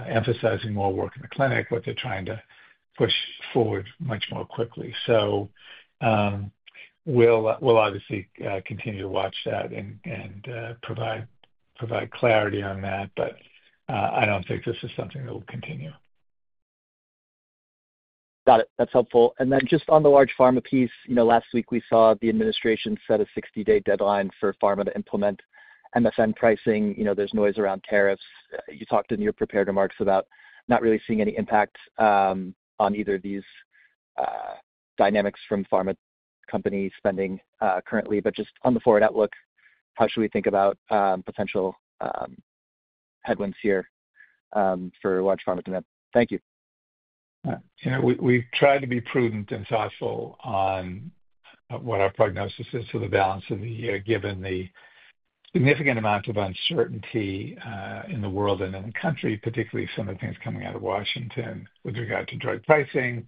emphasizing more work in the clinic, what they're trying to push forward much more quickly. We will obviously continue to watch that and provide clarity on that. I don't think this is something that will continue. Got it. That's helpful. Then just on the large pharma piece, last week we saw the administration set a 60-day deadline for pharma to implement MSN pricing. There is noise around tariffs. You talked in your prepared remarks about not really seeing any impact on either of these dynamics from pharma company spending currently. Just on the forward outlook, how should we think about potential headwinds here for large pharma demand? Thank you. Yeah. We've tried to be prudent and thoughtful on what our prognosis is for the balance of the year, given the significant amount of uncertainty in the world and in the country, particularly some of the things coming out of Washington with regard to drug pricing.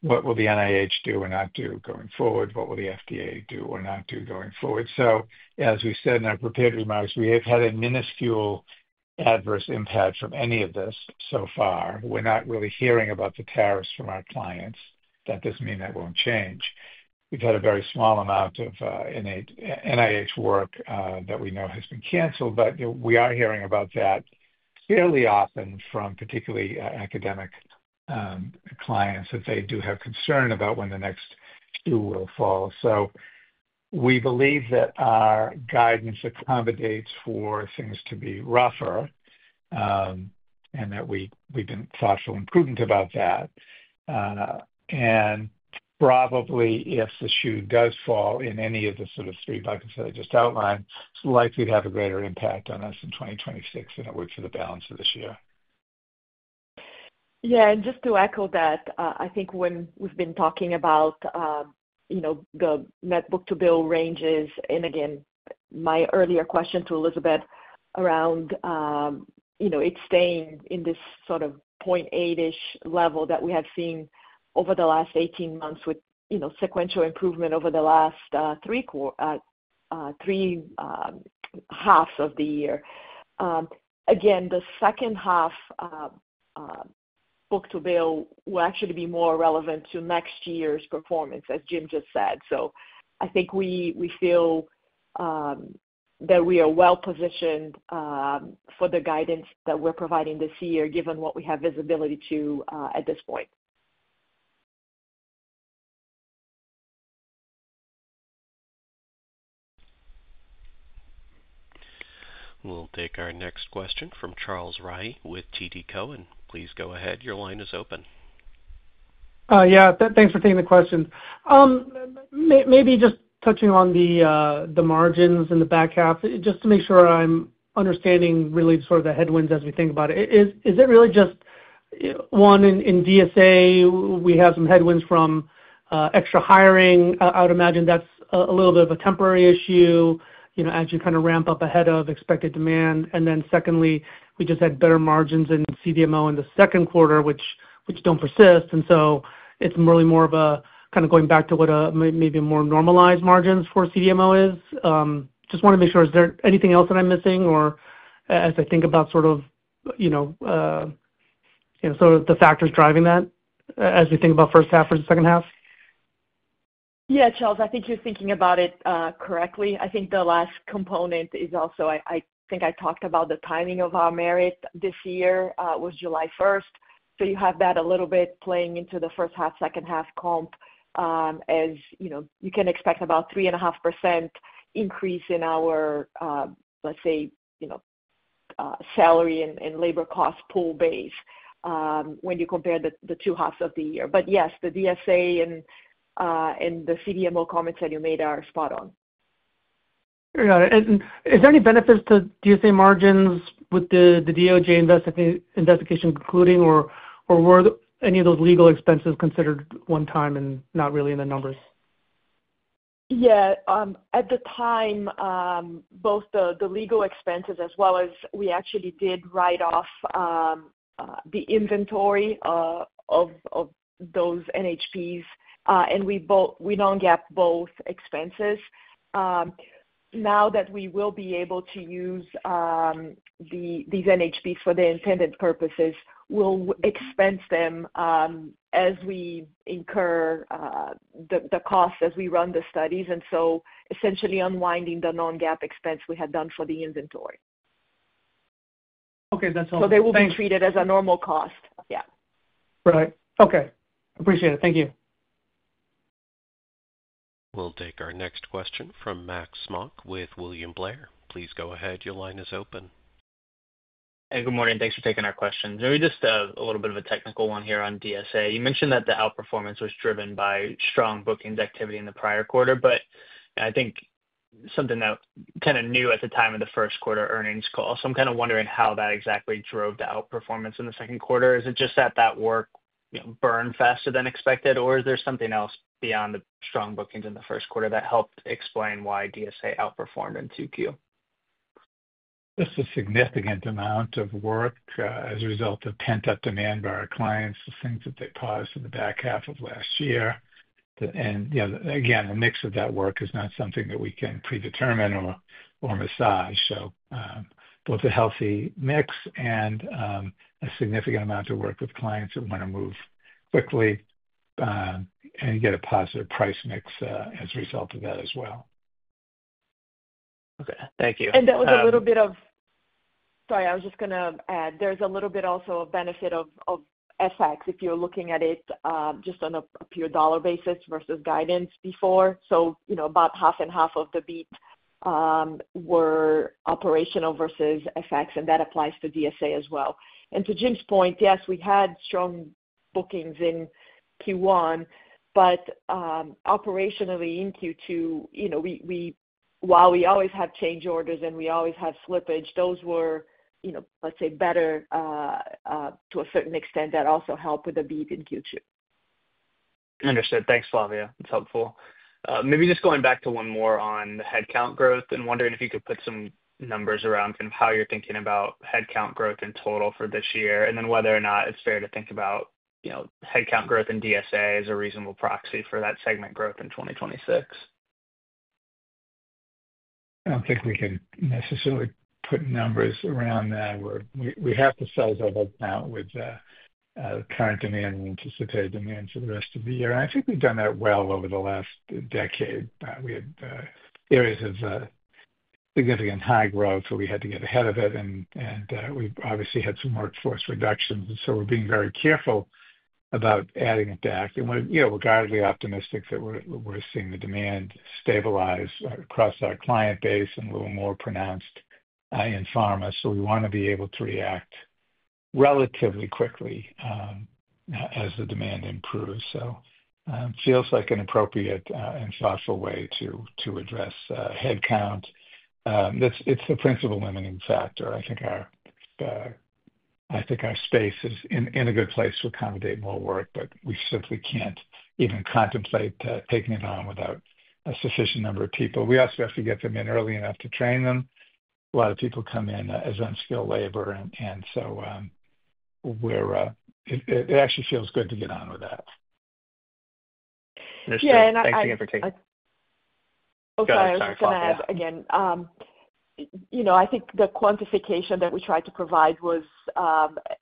What will the NIH do or not do going forward? What will the FDA do or not do going forward? As we said in our prepared remarks, we have had a minuscule adverse impact from any of this so far. We're not really hearing about the tariffs from our clients. That doesn't mean that won't change. We've had a very small amount of NIH work that we know has been canceled, but we are hearing about that fairly often from particularly academic clients that they do have concern about when the next shoe will fall. We believe that our guidance accommodates for things to be rougher and that we've been thoughtful and prudent about that. Probably if the shoe does fall in any of the sort of feed, like I said, I just outlined, likely to have a greater impact on us in 2026 than it would for the balance of this year. Yeah, just to echo that, I think when we've been talking about, you know, the net book-to-bill ranges, and again, my earlier question to Elizabeth around, you know, it staying in this sort of 0.8-ish level that we have seen over the last 18 months with, you know, sequential improvement over the last three halves of the year, the second half book-to-bill will actually be more relevant to next year's performance, as Jim just said. I think we feel that we are well positioned for the guidance that we're providing this year, given what we have visibility to at this point. We'll take our next question from Charles Rhyee with TD Cowen. Please go ahead. Your line is open. Yeah. Thanks for taking the question. Maybe just touching on the margins in the back half, just to make sure I'm understanding really sort of the headwinds as we think about it. Is it really just, you know, one, in DSA, we have some headwinds from extra hiring? I would imagine that's a little bit of a temporary issue, you know, as you kind of ramp up ahead of expected demand. Then, secondly, we just had better margins in CDMO in the second quarter, which don't persist. It's really more of a kind of going back to what maybe a more normalized margin for CDMO is. Just want to make sure, is there anything else that I'm missing or as I think about sort of, you know, sort of the factors driving that as we think about first half or the second half? Yeah, I think you're thinking about it correctly. I think the last component is also, I talked about the timing of our merit this year was July 1st. You have that a little bit playing into the first half, second half comp. As you know, you can expect about 3.5% increase in our, let's say, salary and labor cost pool base when you compare the two halves of the year. Yes, the DSA and the CDMO comments that you made are spot on. Is there any benefit to DSA margins with the DOJ investigation concluding, or were any of those legal expenses considered one time and not really in the numbers? At the time, both the legal expenses as well as we actually did write off the inventory of those NHPs, and we non-GAAP both expenses. Now that we will be able to use these NHPs for the intended purposes, we'll expense them as we incur the costs as we run the studies. Essentially, unwinding the non-GAAP expense we had done for the inventory. Okay, that's helpful. They will be treated as a normal cost. Yeah. Right. Okay. Appreciate it. Thank you. We'll take our next question from Max Smock with William Blair. Please go ahead. Your line is open. Hey, good morning. Thanks for taking our question. Joe, just a little bit of a technical one here on DSA. You mentioned that the outperformance was driven by strong bookings activity in the prior quarter. I think something that kind of knew at the time of the first quarter earnings call. I'm kind of wondering how that exactly drove the outperformance in the second quarter. Is it just that that work burned faster than expected, or is there something else beyond the strong bookings in the first quarter that helped explain why DSA outperformed in Q2? It's a significant amount of work as a result of pent-up demand by our clients, the things that they paused in the back half of last year. A mix of that work is not something that we can predetermine or massage. Both a healthy mix and a significant amount of work with clients that want to move quickly and get a positive price mix as a result of that as well. Okay, thank you. That was a little bit of, sorry, I was just going to add, there's a little bit also of benefit of FX if you're looking at it just on a pure dollar basis versus guidance before. About half and half of the beat were operational versus FX, and that applies to DSA as well. To Jim's point, yes, we had strong bookings in Q1, but operationally in Q2, while we always have change orders and we always have slippage, those were, let's say, better to a certain extent. That also helped with the beat in Q2. Understood. Thanks, Flavia. That's helpful. Maybe just going back to one more on the headcount growth and wondering if you could put some numbers around kind of how you're thinking about headcount growth in total for this year and then whether or not it's fair to think about, you know, headcount. Growth in DSA is a reasonable proxy for that segment growth in 2026. I don't think we can necessarily put numbers around that. We have to size our headcount with current demand and anticipated demand for the rest of the year. I think we've done that well over the last decade. We had areas of significant high growth where we had to get ahead of it, and we obviously had some workforce reductions. We're being very careful about adding it back. We're gladly optimistic that we're seeing the demand stabilize across our client base and a little more pronounced in pharma. We want to be able to react relatively quickly as the demand improves. It feels like an appropriate and thoughtful way to address headcount. It's the principal limiting factor. I think our space is in a good place to accommodate more work, but we simply can't even contemplate taking it on without a sufficient number of people. We also have to get them in early enough to train them. A lot of people come in as unskilled labor, and it actually feels good to get on with that. I think the quantification that we tried to provide was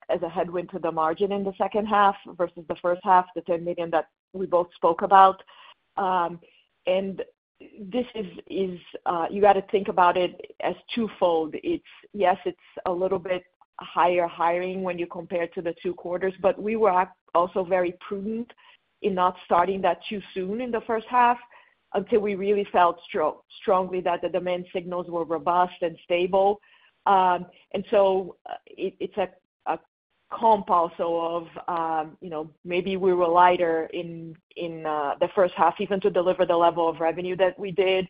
as a headwind to the margin in the second half versus the first half, the $10 million that we both spoke about. You have to think about it as twofold. Yes, it's a little bit higher hiring when you compare it to the two quarters, but we were also very prudent in not starting that too soon in the first half until we really felt strongly that the demand signals were robust and stable. It's a comp also of maybe we were lighter in the first half even to deliver the level of revenue that we did.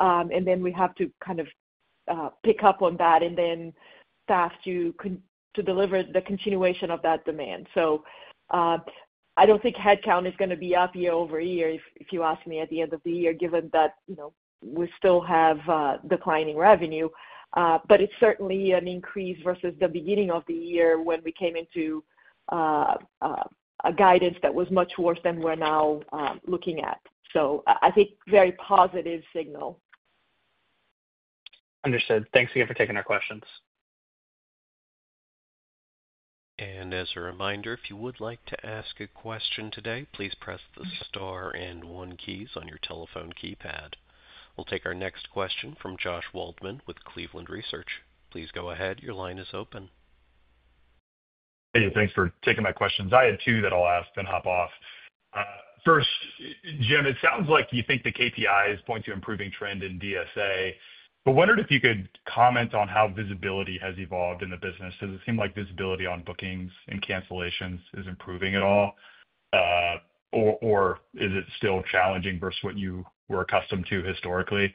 We have to pick up on that and then have to deliver the continuation of that demand. I don't think headcount is going to be up year-over-year if you ask me at the end of the year, given that we still have declining revenue. It's certainly an increase versus the beginning of the year when we came into a guidance that was much worse than we're now looking at. I think very positive signal. Understood. Thanks again for taking our questions. As a reminder, if you would like to ask a question today, please press the star and one keys on your telephone keypad. We'll take our next question from Josh Waldman with Cleveland Research. Please go ahead. Your line is open. Thank you. Thanks for taking my questions. I had two that I'll ask and hop off. First, Jim, it sounds like you think the KPIs point to improving trend in DSA, but wondered if you could comment on how visibility has evolved in the business. Does it seem like visibility on bookings and cancellations is improving at all, or is it still challenging versus what you were accustomed to historically?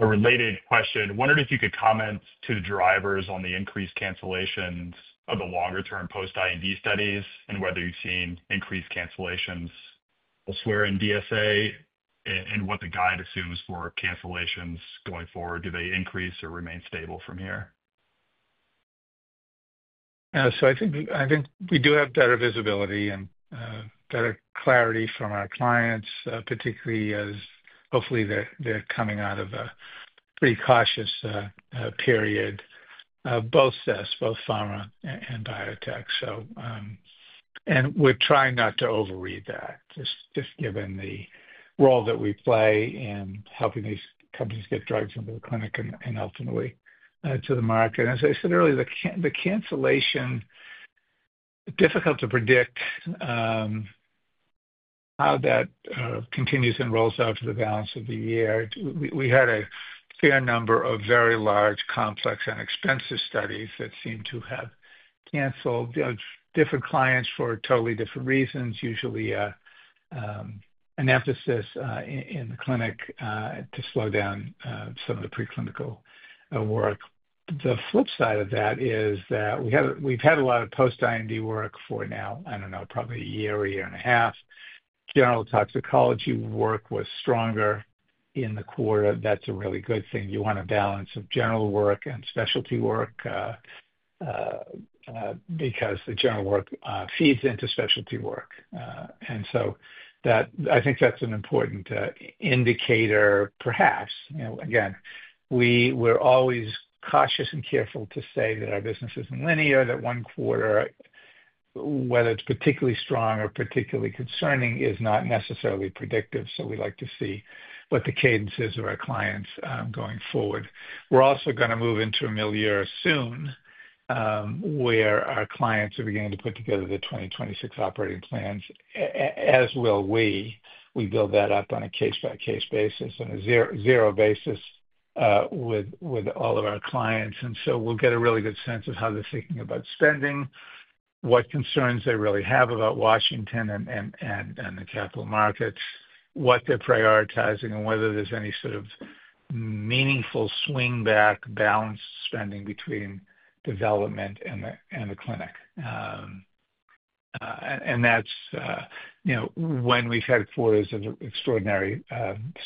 A related question, wondering if you could comment to the drivers on the increased cancellations of the longer-term post-I&D studies and whether you've seen increased cancellations elsewhere in DSA and what the guide assumes for cancellations going forward. Do they increase or remain stable from here? Yeah, so I think we do have better visibility and better clarity from our clients, particularly as hopefully they're coming out of a pretty cautious period, both CDMOs, both pharma and biotech. We're trying not to overread that, just given the role that we play in helping these companies get drugs into the clinic and ultimately to the market. As I said earlier, the cancellation, it's difficult to predict how that continues and rolls out to the balance of the year. We had a fair number of very large, complex, and expensive studies that seem to have canceled, different clients for totally different reasons, usually an emphasis in the clinic to slow down some of the preclinical work. The flip side of that is that we've had a lot of post-IND work for now, I don't know, probably a year or a year and a half. General toxicology work was stronger in the quarter. That's a really good thing. You want a balance of general work and specialty work because the general work feeds into specialty work. I think that's an important indicator, perhaps. Again, we're always cautious and careful to say that our business isn't linear, that one quarter, whether it's particularly strong or particularly concerning, is not necessarily predictive. We like to see what the cadence is of our clients going forward. We're also going to move into a middle year soon where our clients are beginning to put together the 2026 operating plans, as will we. We build that up on a case-by-case basis and a zero basis with all of our clients. We'll get a really good sense of how they're thinking about spending, what concerns they really have about Washington and the capital markets, what they're prioritizing, and whether there's any sort of meaningful swing-back balance spending between development and the clinic. When we've had quarters of extraordinary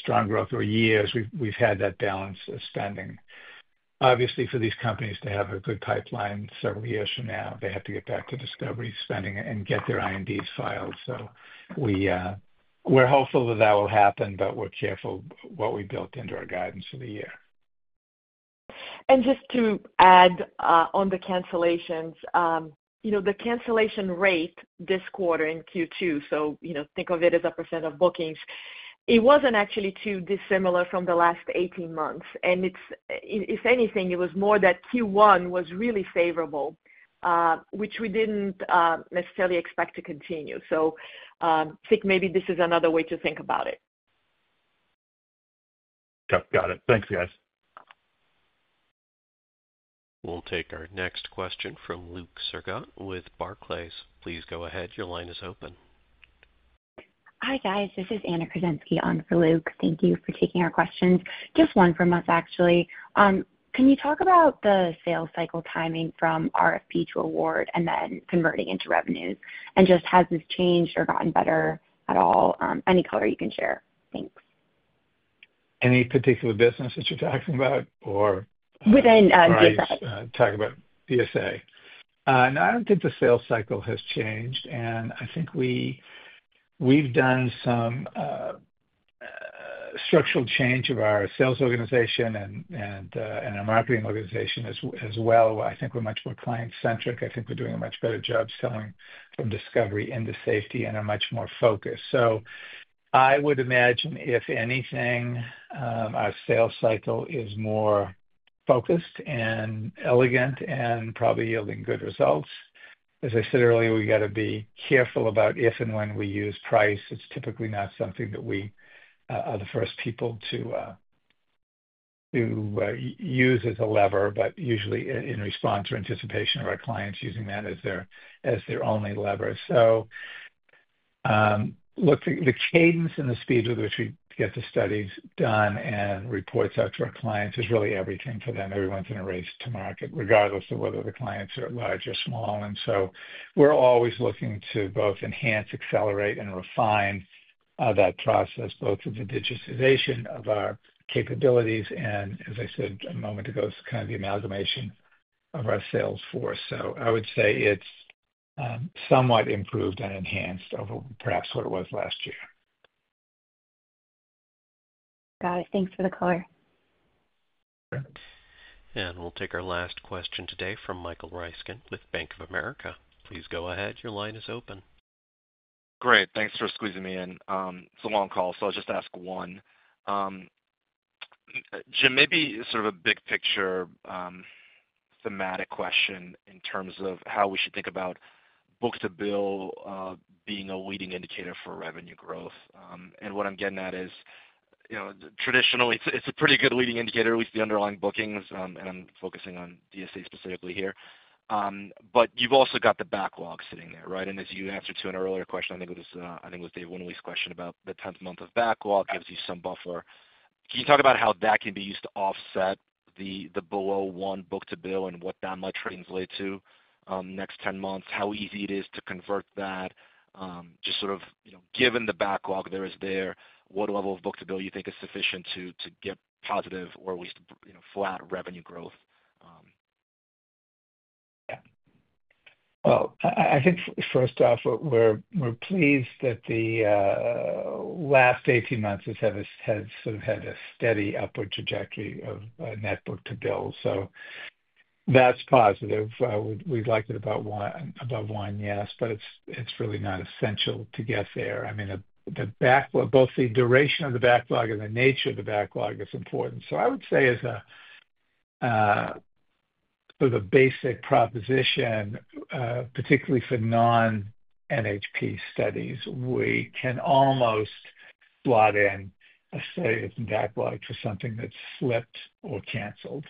strong growth or years, we've had that balance of spending. Obviously, for these companies to have a good pipeline several years from now, they have to get back to discovery spending and get their INDs filed. We're hopeful that will happen, but we're careful what we built into our guidance for the year. To add on the cancellations, the cancellation rate this quarter in Q2, as 1% of bookings, was not actually too dissimilar from the last 18 months. If anything, it was more that Q1 was really favorable, which we did not necessarily expect to continue. I think maybe this is another way to think about it. Got it. Thanks, guys. We'll take our next question from Luke Sergott with Barclays. Please go ahead. Your line is open. Hi, guys. This is Anna Krasinski on for Luke. Thank you for taking our questions. Just one from us, actually. Can you talk about the sales cycle timing from RFP to award and then converting into revenue? Has this changed or gotten better at all? Any color you can share? Thanks. Any particular business that you're talking about? Within DSA. Talk about DSA. No, I don't think the sales cycle has changed. I think we've done some structural change of our sales organization and our marketing organization as well. I think we're much more client-centric. I think we're doing a much better job selling from discovery into safety and are much more focused. I would imagine if anything, our sales cycle is more focused and elegant and probably yielding good results. As I said earlier, we got to be careful about if and when we use price. It's typically not something that we are the first people to use as a lever, but usually in response or anticipation of our clients using that as their only lever. Look, the cadence and the speed with which we get the studies done and reports out to our clients is really everything for them. Everyone can race to market regardless of whether the clients are large or small. We are always looking to both enhance, accelerate, and refine that process, both with the digitization of our capabilities and, as I said a moment ago, it's kind of the amalgamation of our sales force. I would say it's somewhat improved and enhanced over perhaps what it was last year. Got it. Thanks for the color. We will take our last question today from Michael Ryskin with Bank of America. Please go ahead. Your line is open. Great. Thanks for squeezing me in. It's a long call, so I'll just ask one. Jim, maybe sort of a big picture thematic question in terms of how we should think about book-to-bill being a leading indicator for revenue growth. What I'm getting at is, you know, traditionally, it's a pretty good leading indicator, at least the underlying bookings, and I'm focusing on DSA specifically here. You've also got the backlog sitting there, right? As you answered to an earlier question, I think it was Dave Woolley's question about the 10th month of backlog gives you some buffer. Can you talk about how that can be used to offset the below one book-to-bill and what that might translate to next 10 months, how easy it is to convert that, just sort of, you know, given the backlog there is there, what level of book-to-bill you think is sufficient to get positive or at least, you know, flat revenue growth? I think first off, we're pleased that the last 18 months have sort of had a steady upward trajectory of net book-to-bill. That's positive. We'd like it above one, yes, but it's really not essential to get there. The backlog, both the duration of the backlog and the nature of the backlog, is important. I would say as a sort of a basic proposition, particularly for non-NHP studies, we can almost plot in a steady backlog for something that's slipped or canceled.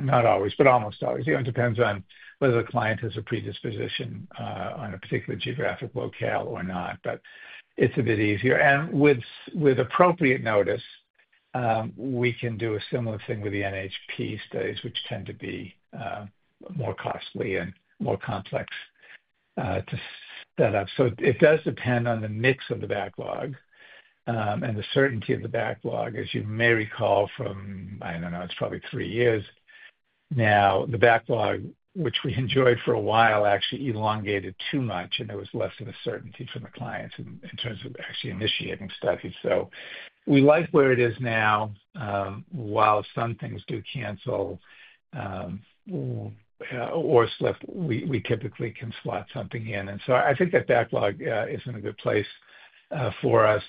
Not always, but almost always. It depends on whether the client has a predisposition on a particular geographic locale or not, but it's a bit easier. With appropriate notice, we can do a similar thing with the NHP studies, which tend to be more costly and more complex to set up. It does depend on the mix of the backlog. The certainty of the backlog, as you may recall from, I don't know, it's probably three years now, the backlog, which we enjoyed for a while, actually elongated too much, and there was less of a certainty from the clients in terms of actually initiating studies. We like where it is now. While some things do cancel or slip, we typically can slot something in. I think that backlog is in a good place for us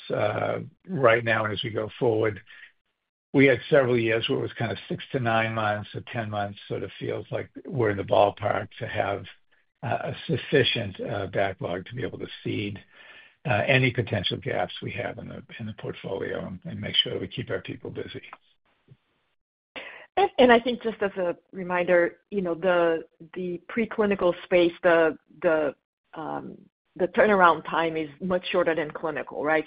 right now. As we go forward, we had several years where it was kind of six to nine months, so 10 months sort of feels like we're in the ballpark to have a sufficient backlog to be able to seed any potential gaps we have in the portfolio and make sure that we keep our people busy. As a reminder, the preclinical space turnaround time is much shorter than clinical, right?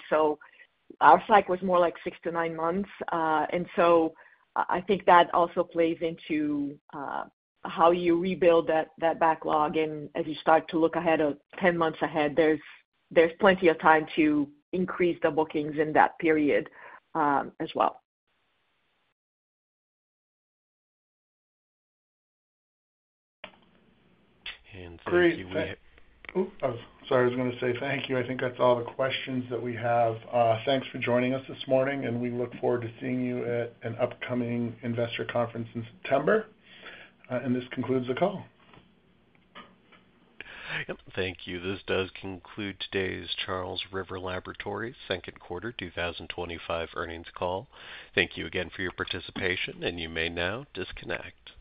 Our cycle is more like six to nine months. I think that also plays into how you rebuild that backlog. As you start to look ahead or 10 months ahead, there's plenty of time to increase the bookings in that period as well. Thank you. I think that's all the questions that we have. Thanks for joining us this morning, and we look forward to seeing you at an upcoming investor conference in September. This concludes the call. Thank you. This does conclude today's Charles River Laboratories Second Quarter 2025 Earnings Call. Thank you again for your participation, and you may now disconnect.